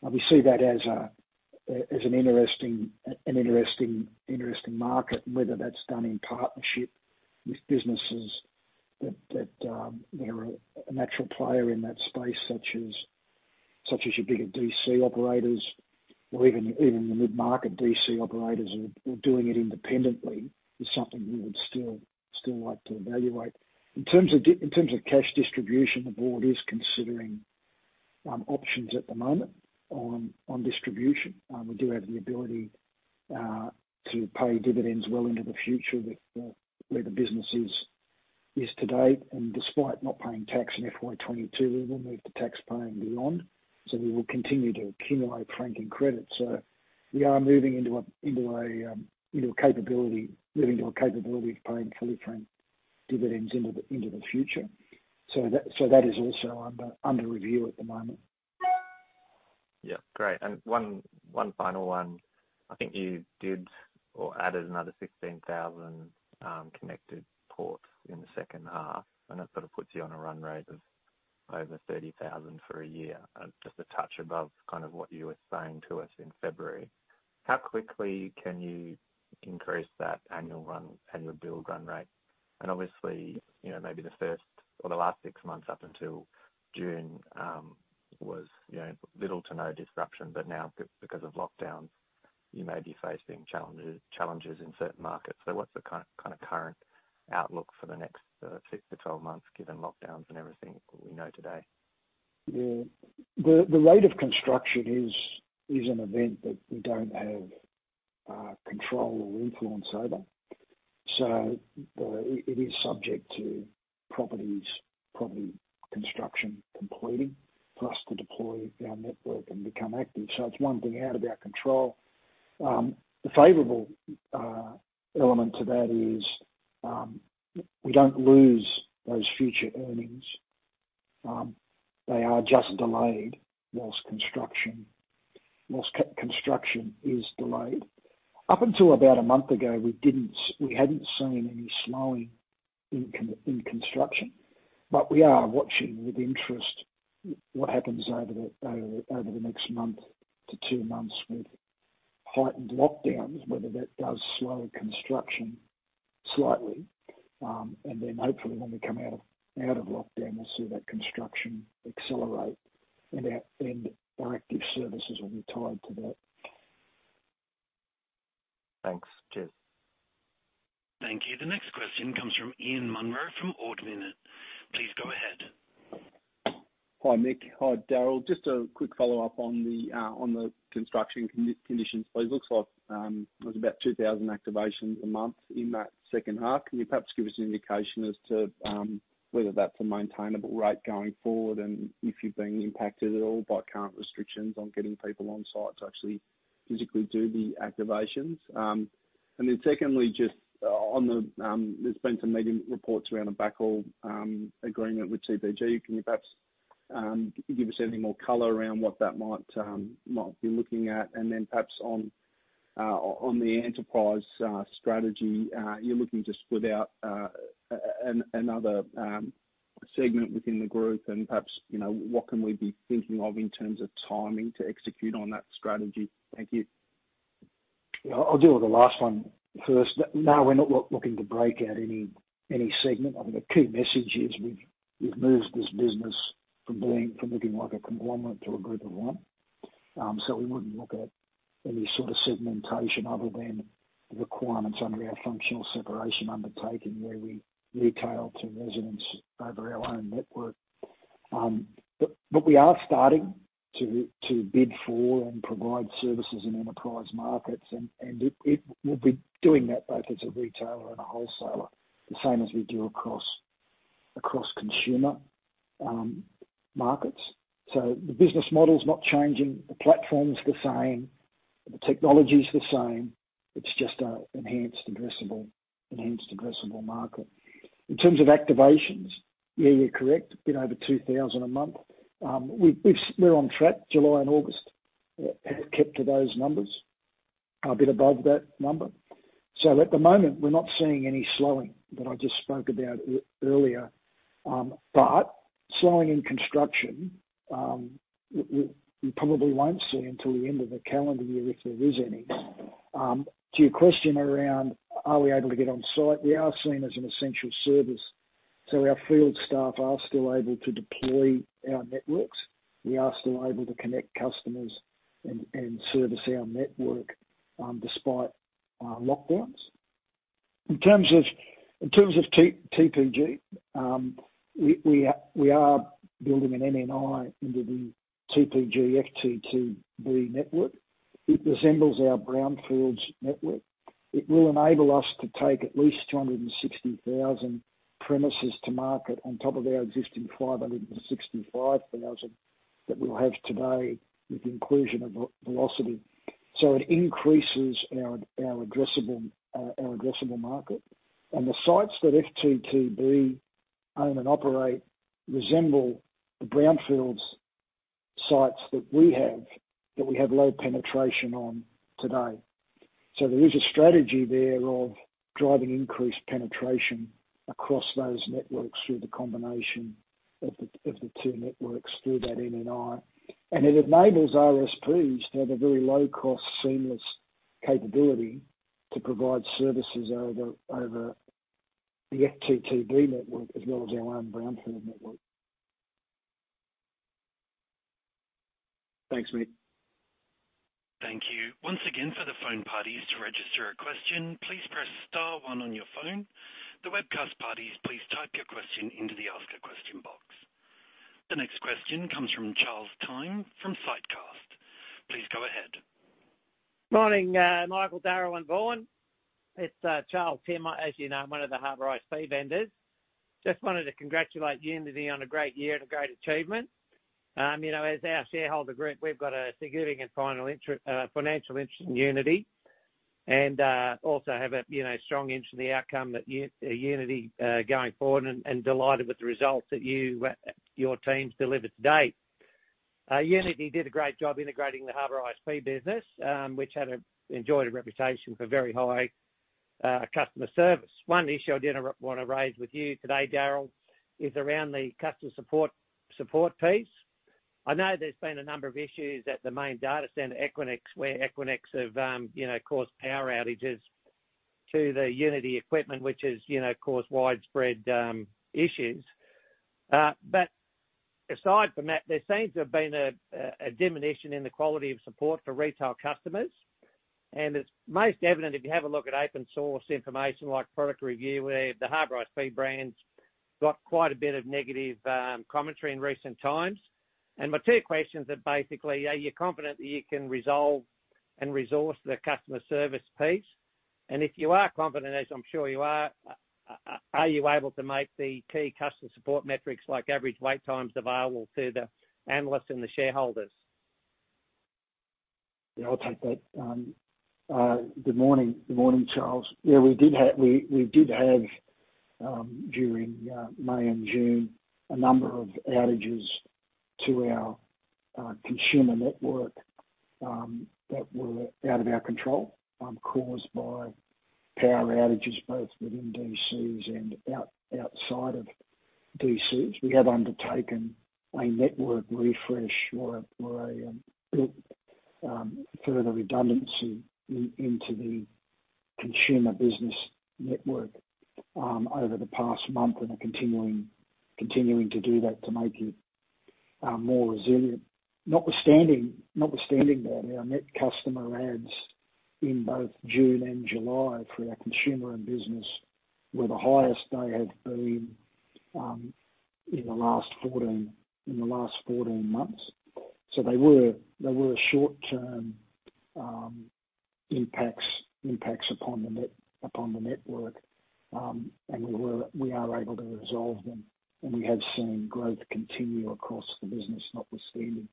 we see that as an interesting market, and whether that's done in partnership with businesses that are a natural player in that space, such as your bigger DC operators or even the mid-market DC operators or doing it independently, is something we would still like to evaluate. In terms of cash distribution, the board is considering options at the moment on distribution. We do have the ability to pay dividends well into the future with where the business is today. Despite not paying tax in FY2022, we will move to tax paying beyond. We will continue to accumulate franking credit. We are moving into a capability of paying fully franked dividends into the future. That is also under review at the moment. Yeah. Great. One final one. I think you did or added another 16,000 connected ports in the second half. That sort of puts you on a run rate of over 30,000 for a year. Just a touch above kind of what you were saying to us in February. How quickly can you increase that annual bill run rate? Obviously, maybe the first or the last six months up until June was little to no disruption. Now because of lockdowns, you may be facing challenges in certain markets. What's the kind of current outlook for the next 6-12 months, given lockdowns and everything we know today? The rate of construction is an event that we don't have control or influence over. It is subject to property construction completing for us to deploy our network and become active. It's one thing out of our control. The favorable element to that is we don't lose those future earnings. They are just delayed whilst construction is delayed. Up until about one month ago, we hadn't seen any slowing in construction, but we are watching with interest what happens over the next month to two months with heightened lockdowns, whether that does slow construction slightly. Hopefully when we come out of lockdown, we'll see that construction accelerate, and our active services will be tied to that. Thanks. Cheers. The next question comes from Ian Munro from Ord Minnett. Please go ahead. Hi, Michael. Hi, Darryl. Just a quick follow-up on the construction conditions, please. Looks like there's about 2,000 activations a month in that second half. Can you perhaps give us an indication as to whether that's a maintainable rate going forward and if you're being impacted at all by current restrictions on getting people on site to actually physically do the activations? Secondly, there's been some media reports around a backhaul agreement with TPG Telecom. Can you perhaps give us any more color around what that might be looking at? Perhaps on the enterprise strategy, you're looking to split out another segment within the group and perhaps what can we be thinking of in terms of timing to execute on that strategy? Thank you. Yeah, I'll deal with the last one first. No, we're not looking to break out any segment. I think the key message is we've moved this business from looking like a conglomerate to a group of one. We wouldn't look at any sort of segmentation other than the requirements under our functional separation undertaking where we retail to residents over our own network. We are starting to bid for and provide services in enterprise markets, and we'll be doing that both as a retailer and a wholesaler, the same as we do across consumer markets. The business model's not changing, the platform's the same, the technology's the same. It's just an enhanced addressable market. In terms of activations, yeah, you're correct, a bit over 2,000 a month. We're on track. July and August have kept to those numbers, a bit above that number. At the moment, we're not seeing any slowing that I just spoke about earlier. Slowing in construction, we probably won't see until the end of the calendar year if there is any. To your question around are we able to get on site, we are seen as an essential service, our field staff are still able to deploy our networks. We are still able to connect customers and service our network despite lockdowns. In terms of TPG, we are building an NNI into the TPG FTTB network. It resembles our brownfields network. It will enable us to take at least 260,000 premises to market on top of our existing 565,000 that we'll have today with the inclusion of Velocity. It increases our addressable market. The sites that FTTB own and operate resemble the brownfields sites that we have low penetration on today. There is a strategy there of driving increased penetration across those networks through the combination of the two networks through that NNI. It enables RSPs to have a very low-cost, seamless capability to provide services over the FTTB network as well as our own brownfield network. Thanks, Michael. Thank you. Once again for the phone parties to register a question, please press star one on your phone. The webcast parties, please type your question into the ask a question box. The next question comes from. Please go ahead. Morning, Michael, Darryl, and Vaughan. It's. As you know, I'm one of the Harbour ISP vendors. Just wanted to congratulate Uniti on a great year and a great achievement. As our shareholder group, we've got a significant financial interest in Uniti and also have a strong interest in the outcome that Uniti going forward and delighted with the results that your team's delivered to date. Uniti did a great job integrating the Harbour ISP business, which enjoyed a reputation for very high customer service. One issue I did want to raise with you today, Darryl, is around the customer support piece. I know there's been a number of issues at the main data center, Equinix, where Equinix have caused power outages to the Uniti equipment, which has caused widespread issues. Aside from that, there seems to have been a diminution in the quality of support for retail customers. It's most evident if you have a look at open-source information like ProductReview.com.au, where the Harbour ISP brand's got quite a bit of negative commentary in recent times. My two questions are basically, are you confident that you can resolve and resource the customer service piece? If you are confident, as I'm sure you are you able to make the key customer support metrics like average wait times available to the analysts and the shareholders? Yeah, I'll take that. Good morning. Yeah, we did have, during May and June, a number of outages to our consumer network that were out of our control, caused by power outages both within DCs and outside of DCs. We have undertaken a network refresh or built further redundancy into the Consumer & Business network over the past month and are continuing to do that to make it more resilient. Notwithstanding that, our net customer adds in both June and July for our Consumer & Business were the highest they have been in the last 14 months. They were short-term impacts upon the network, and we are able to resolve them, and we have seen growth continue across the business, notwithstanding.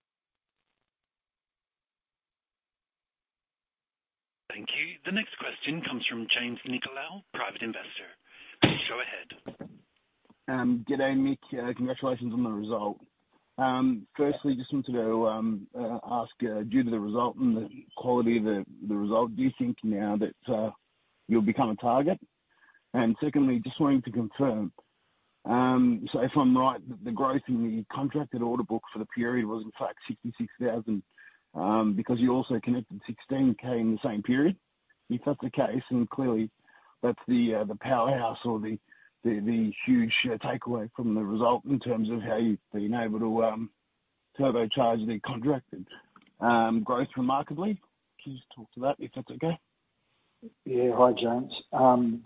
Thank you. The next question comes from James Nicolao, Private Investor. Please go ahead. G'day, Michael. Congratulations on the result. Just wanted to ask, due to the result and the quality of the result, do you think now that you'll become a target? Secondly, just wanting to confirm, if I'm right, the growth in the contracted order book for the period was in fact 66,000, because you also connected 16,000 in the same period. If that's the case, clearly that's the powerhouse or the huge takeaway from the result in terms of how you've been able to turbocharge the contracted growth remarkably. Can you just talk to that, if that's okay? Hi, James.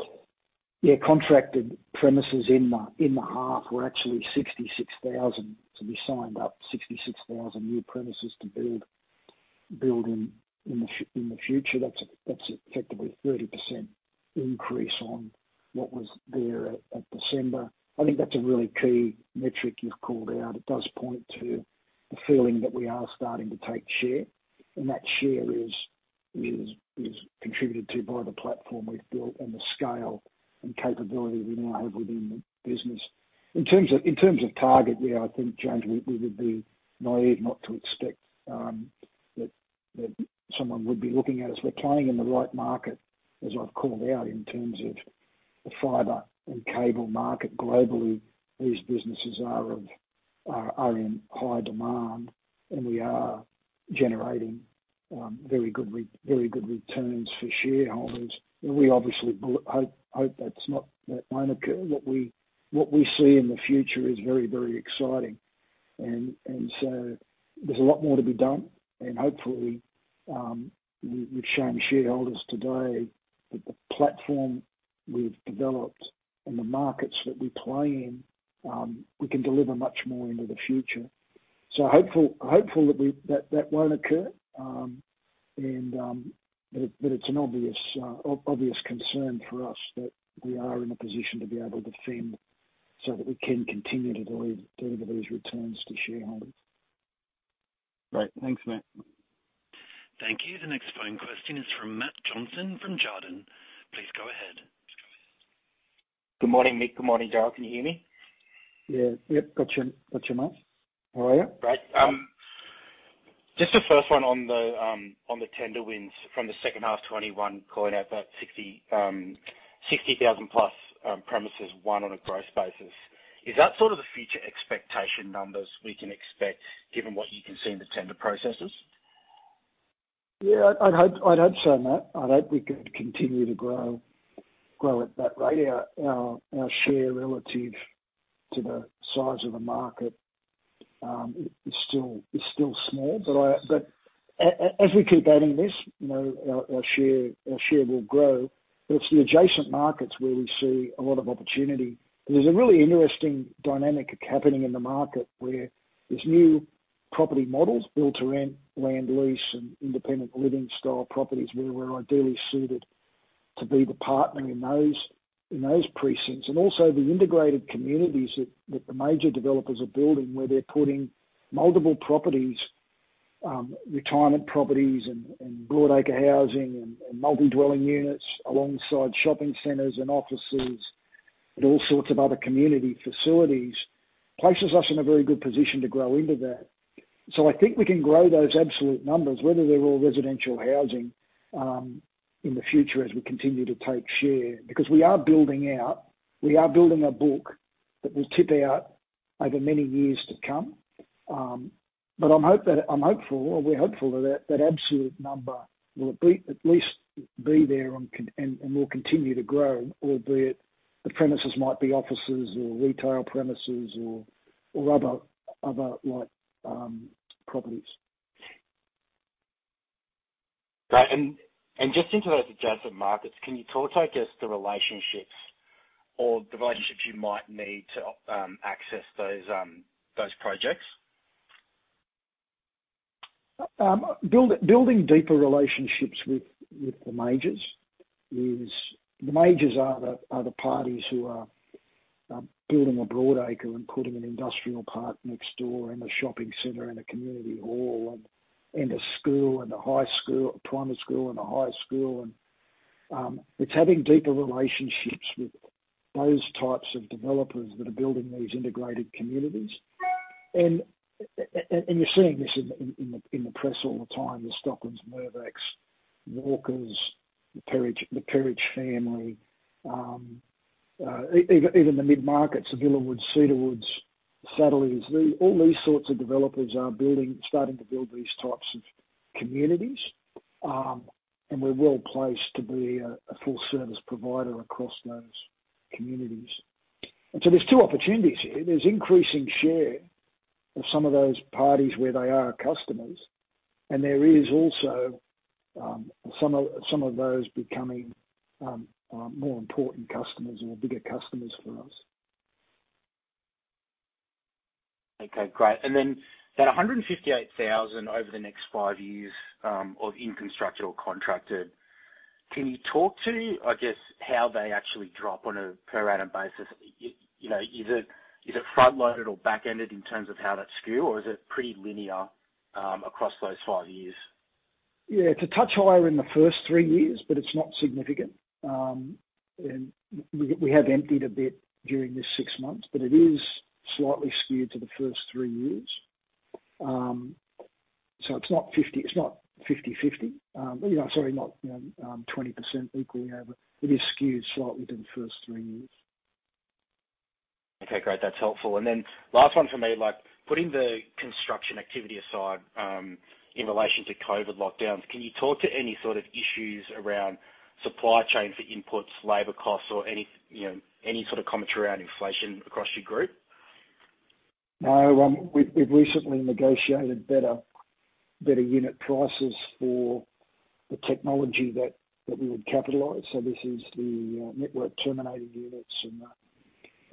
Contracted premises in the half were actually 66,000, so we signed up 66,000 new premises to build in the future. That's effectively a 30% increase on what was there at December. I think that's a really key metric you've called out. It does point to the feeling that we are starting to take share, and that share is contributed to by the platform we've built and the scale and capability we now have within the business. In terms of target, I think, James, we would be naive not to expect that someone would be looking at us. We're playing in the right market, as I've called out, in terms of the fiber and cable market globally. These businesses are in high demand. We are generating very good returns for shareholders. We obviously hope that won't occur. What we see in the future is very, very exciting. There's a lot more to be done, and hopefully, we've shown shareholders today that the platform we've developed and the markets that we play in, we can deliver much more into the future. Hopeful that won't occur, but it's an obvious concern for us that we are in a position to be able to defend so that we can continue to deliver these returns to shareholders. Great. Thanks, Michael. Thank you. The next phone question is from Matt from Jarden. Please go ahead. Good morning, Michael. Good morning, Darryl. Can you hear me? Yeah. Yep, got you, Matt. How are you? Great. Just the first one on the tender wins from the second half FY2021, calling out that 60,000+ premises won on a gross basis. Is that sort of the future expectation numbers we can expect given what you can see in the tender processes? Yeah, I'd hope so, Matt. I'd hope we could continue to grow at that rate. Our share relative to the size of the market is still small. As we keep adding this, our share will grow. It's the adjacent markets where we see a lot of opportunity. There's a really interesting dynamic happening in the market where there's new property models, build-to-rent, land lease, and independent living style properties where we're ideally suited to be the partner in those precincts. Also the integrated communities that the major developers are building, where they're putting multiple properties, retirement properties and broadacre housing and multi-dwelling units alongside shopping centers and offices and all sorts of other community facilities, places us in a very good position to grow into that. I think we can grow those absolute numbers, whether they're all residential housing, in the future as we continue to take share. We are building out, we are building a book that will tip out over many years to come. I'm hopeful, or we're hopeful that that absolute number will at least be there and will continue to grow, albeit the premises might be offices or retail premises or other like properties. Right. Just into those adjacent markets, can you talk to, I guess the relationships or the relationships you might need to access those projects? Building deeper relationships with the majors. The majors are the parties who are building a broadacre and putting an industrial park next door and a shopping center and a community hall and a school and a high school, a primary school and a high school. It's having deeper relationships with those types of developers that are building these integrated communities. You're seeing this in the press all the time, the Stocklands, Mirvacs, Walkers, the Perich family, even the mid-markets, the Villawoods, Cedar Woods, Satterley. All these sorts of developers are starting to build these types of communities, we're well-placed to be a full service provider across those communities. There's two opportunities here. There's increasing share of some of those parties where they are our customers, there is also some of those becoming more important customers or bigger customers for us. Okay, great. That 158,000 over the next five years of in construction or contracted, can you talk to, I guess, how they actually drop on a per annum basis? Is it front-loaded or back-ended in terms of how that's skewed, or is it pretty linear across those five years? Yeah. It's a touch higher in the first three years, but it's not significant. We have emptied a bit during this six months, but it is slightly skewed to the first three years. It's not 50/50. Sorry, not 20% equally over. It is skewed slightly to the first three years. Okay, great. That's helpful. Last one for me, putting the construction activity aside, in relation to COVID lockdowns, can you talk to any sort of issues around supply chain for inputs, labor costs, or any sort of commentary around inflation across your group? No. We've recently negotiated better unit prices for the technology that we would capitalize. This is the network terminating units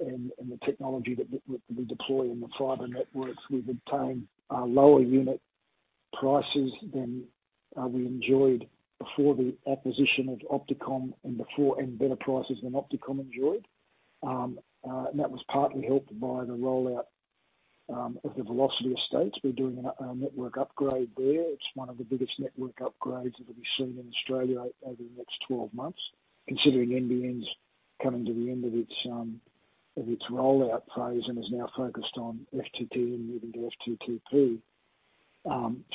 and the technology that we deploy in the fiber networks. We've obtained lower unit prices than we enjoyed before the acquisition of OptiComm and better prices than OptiComm enjoyed. That was partly helped by the rollout of the Velocity estates. We're doing a network upgrade there. It's one of the biggest network upgrades that will be seen in Australia over the next 12 months, considering NBN's coming to the end of its rollout phase and is now focused on FTT and moving to FTTP.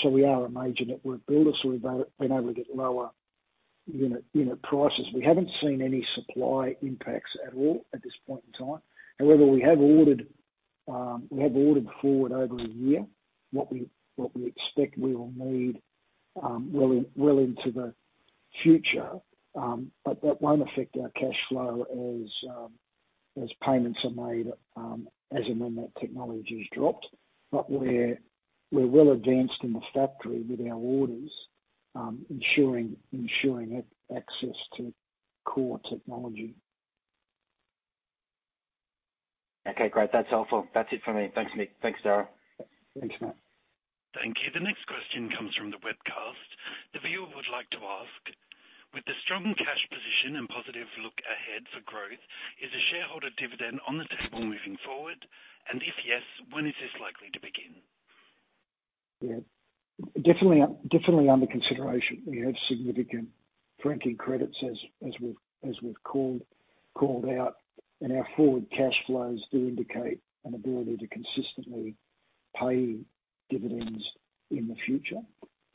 We are a major network builder, so we've been able to get lower unit prices. We haven't seen any supply impacts at all at this point in time. We have ordered forward over a year what we expect we will need well into the future. That won't affect our cash flow as payments are made as and when that technology is dropped. We're well advanced in the factory with our orders, ensuring access to core technology. Okay, great. That's helpful. That's it for me. Thanks, Michael. Thanks, Darryl. Thanks, Matt. Thank you. The next question comes from the webcast. The viewer would like to ask: With the strong cash position and positive look ahead for growth, is a shareholder dividend on the table moving forward? If yes, when is this likely to begin? Yeah. Definitely under consideration. We have significant franking credits as we've called out, and our forward cash flows do indicate an ability to consistently pay dividends in the future.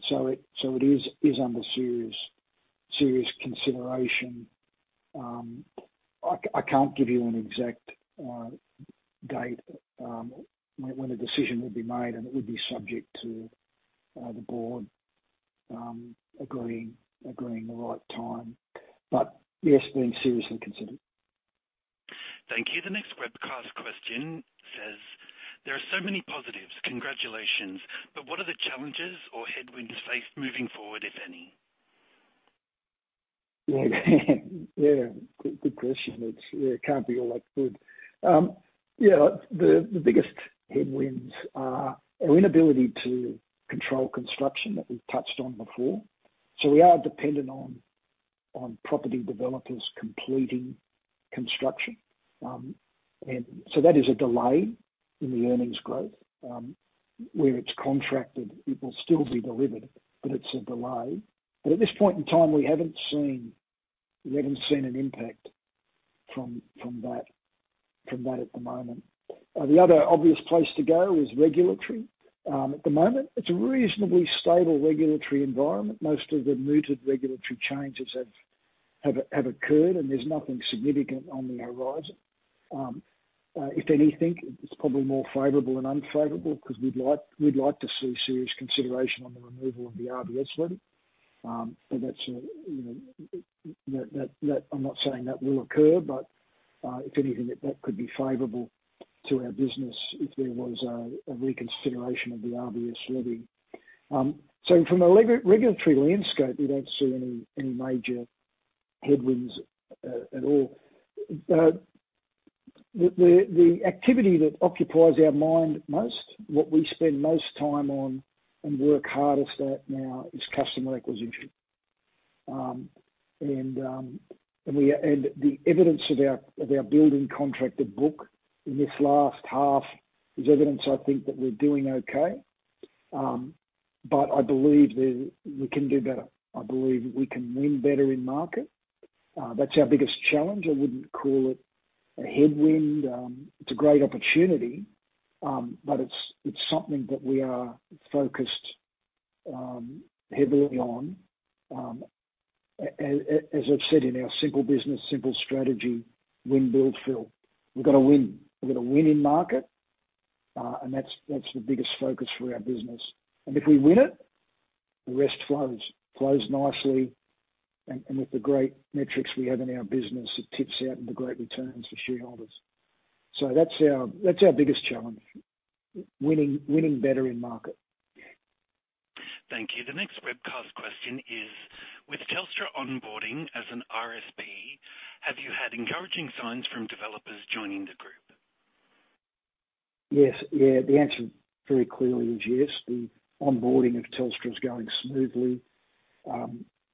It is under serious consideration. I can't give you an exact date when a decision would be made, and it would be subject to the board agreeing the right time. Yes, being seriously considered. Thank you. The next webcast question says: There are so many positives. Congratulations. What are the challenges or headwinds faced moving forward, if any? Yeah. Good question. It can't be all that good. The biggest headwinds are our inability to control construction that we've touched on before. We are dependent on property developers completing construction. That is a delay in the earnings growth. Where it's contracted, it will still be delivered, but it's a delay. At this point in time, we haven't seen an impact from that at the moment. The other obvious place to go is regulatory. At the moment, it's a reasonably stable regulatory environment. Most of the mooted regulatory changes have occurred, and there's nothing significant on the horizon. If anything, it's probably more favorable than unfavorable because we'd like to see serious consideration on the removal of the RBS levy. I'm not saying that will occur, but if anything, that could be favorable to our business if there was a reconsideration of the RBS levy. From a regulatory landscape, we don't see any major headwinds at all. The activity that occupies our mind most, what we spend most time on and work hardest at now is customer acquisition. The evidence of our building contracted book in this last half is evidence, I think, that we're doing okay, but I believe we can do better. I believe we can win better in market. That's our biggest challenge. I wouldn't call it a headwind. It's a great opportunity, but it's something that we are focused heavily on. As I've said in our simple business, simple strategy, win, build, fill. We've got to win. We've got to win in market. That's the biggest focus for our business. If we win it, the rest flows nicely. With the great metrics we have in our business, it tips out into great returns for shareholders. That's our biggest challenge, winning better in market. Thank you. The next webcast question is, with Telstra onboarding as an RSP, have you had encouraging signs from developers joining the group? Yes. The answer very clearly is yes. The onboarding of Telstra is going smoothly.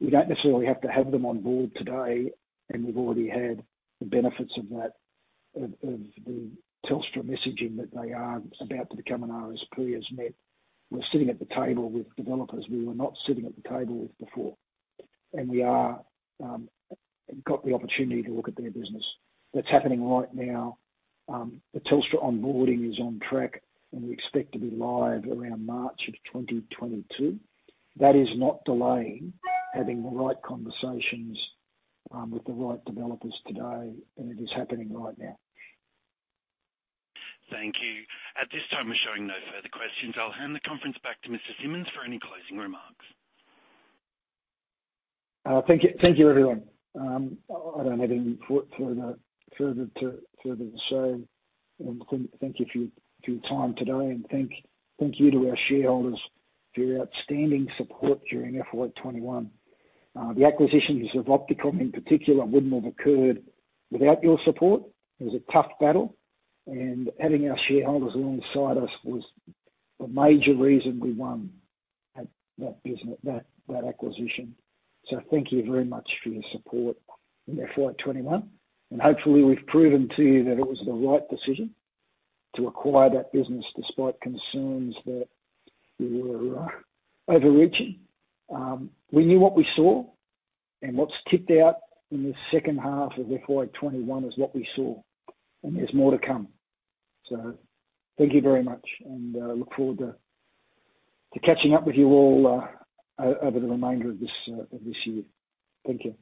We don't necessarily have to have them on board today, and we've already had the benefits of the Telstra messaging that they are about to become an RSP has meant we're sitting at the table with developers we were not sitting at the table with before. We got the opportunity to look at their business. That's happening right now. The Telstra onboarding is on track, and we expect to be live around March of 2022. That is not delaying having the right conversations with the right developers today, and it is happening right now. Thank you. At this time, we're showing no further questions. I'll hand the conference back to Mr. Simmons for any closing remarks. Thank you, everyone. I don't have any further to say. Quentin, thank you for your time today, and thank you to our shareholders for your outstanding support during FY2021. The acquisitions of OptiComm, in particular, wouldn't have occurred without your support. It was a tough battle, and having our shareholders alongside us was a major reason we won that acquisition. Thank you very much for your support in FY2021. Hopefully we've proven to you that it was the right decision to acquire that business despite concerns that we were overreaching. We knew what we saw and what's tipped out in the second half of FY2021 is what we saw, and there's more to come. Thank you very much and look forward to catching up with you all over the remainder of this year. Thank you.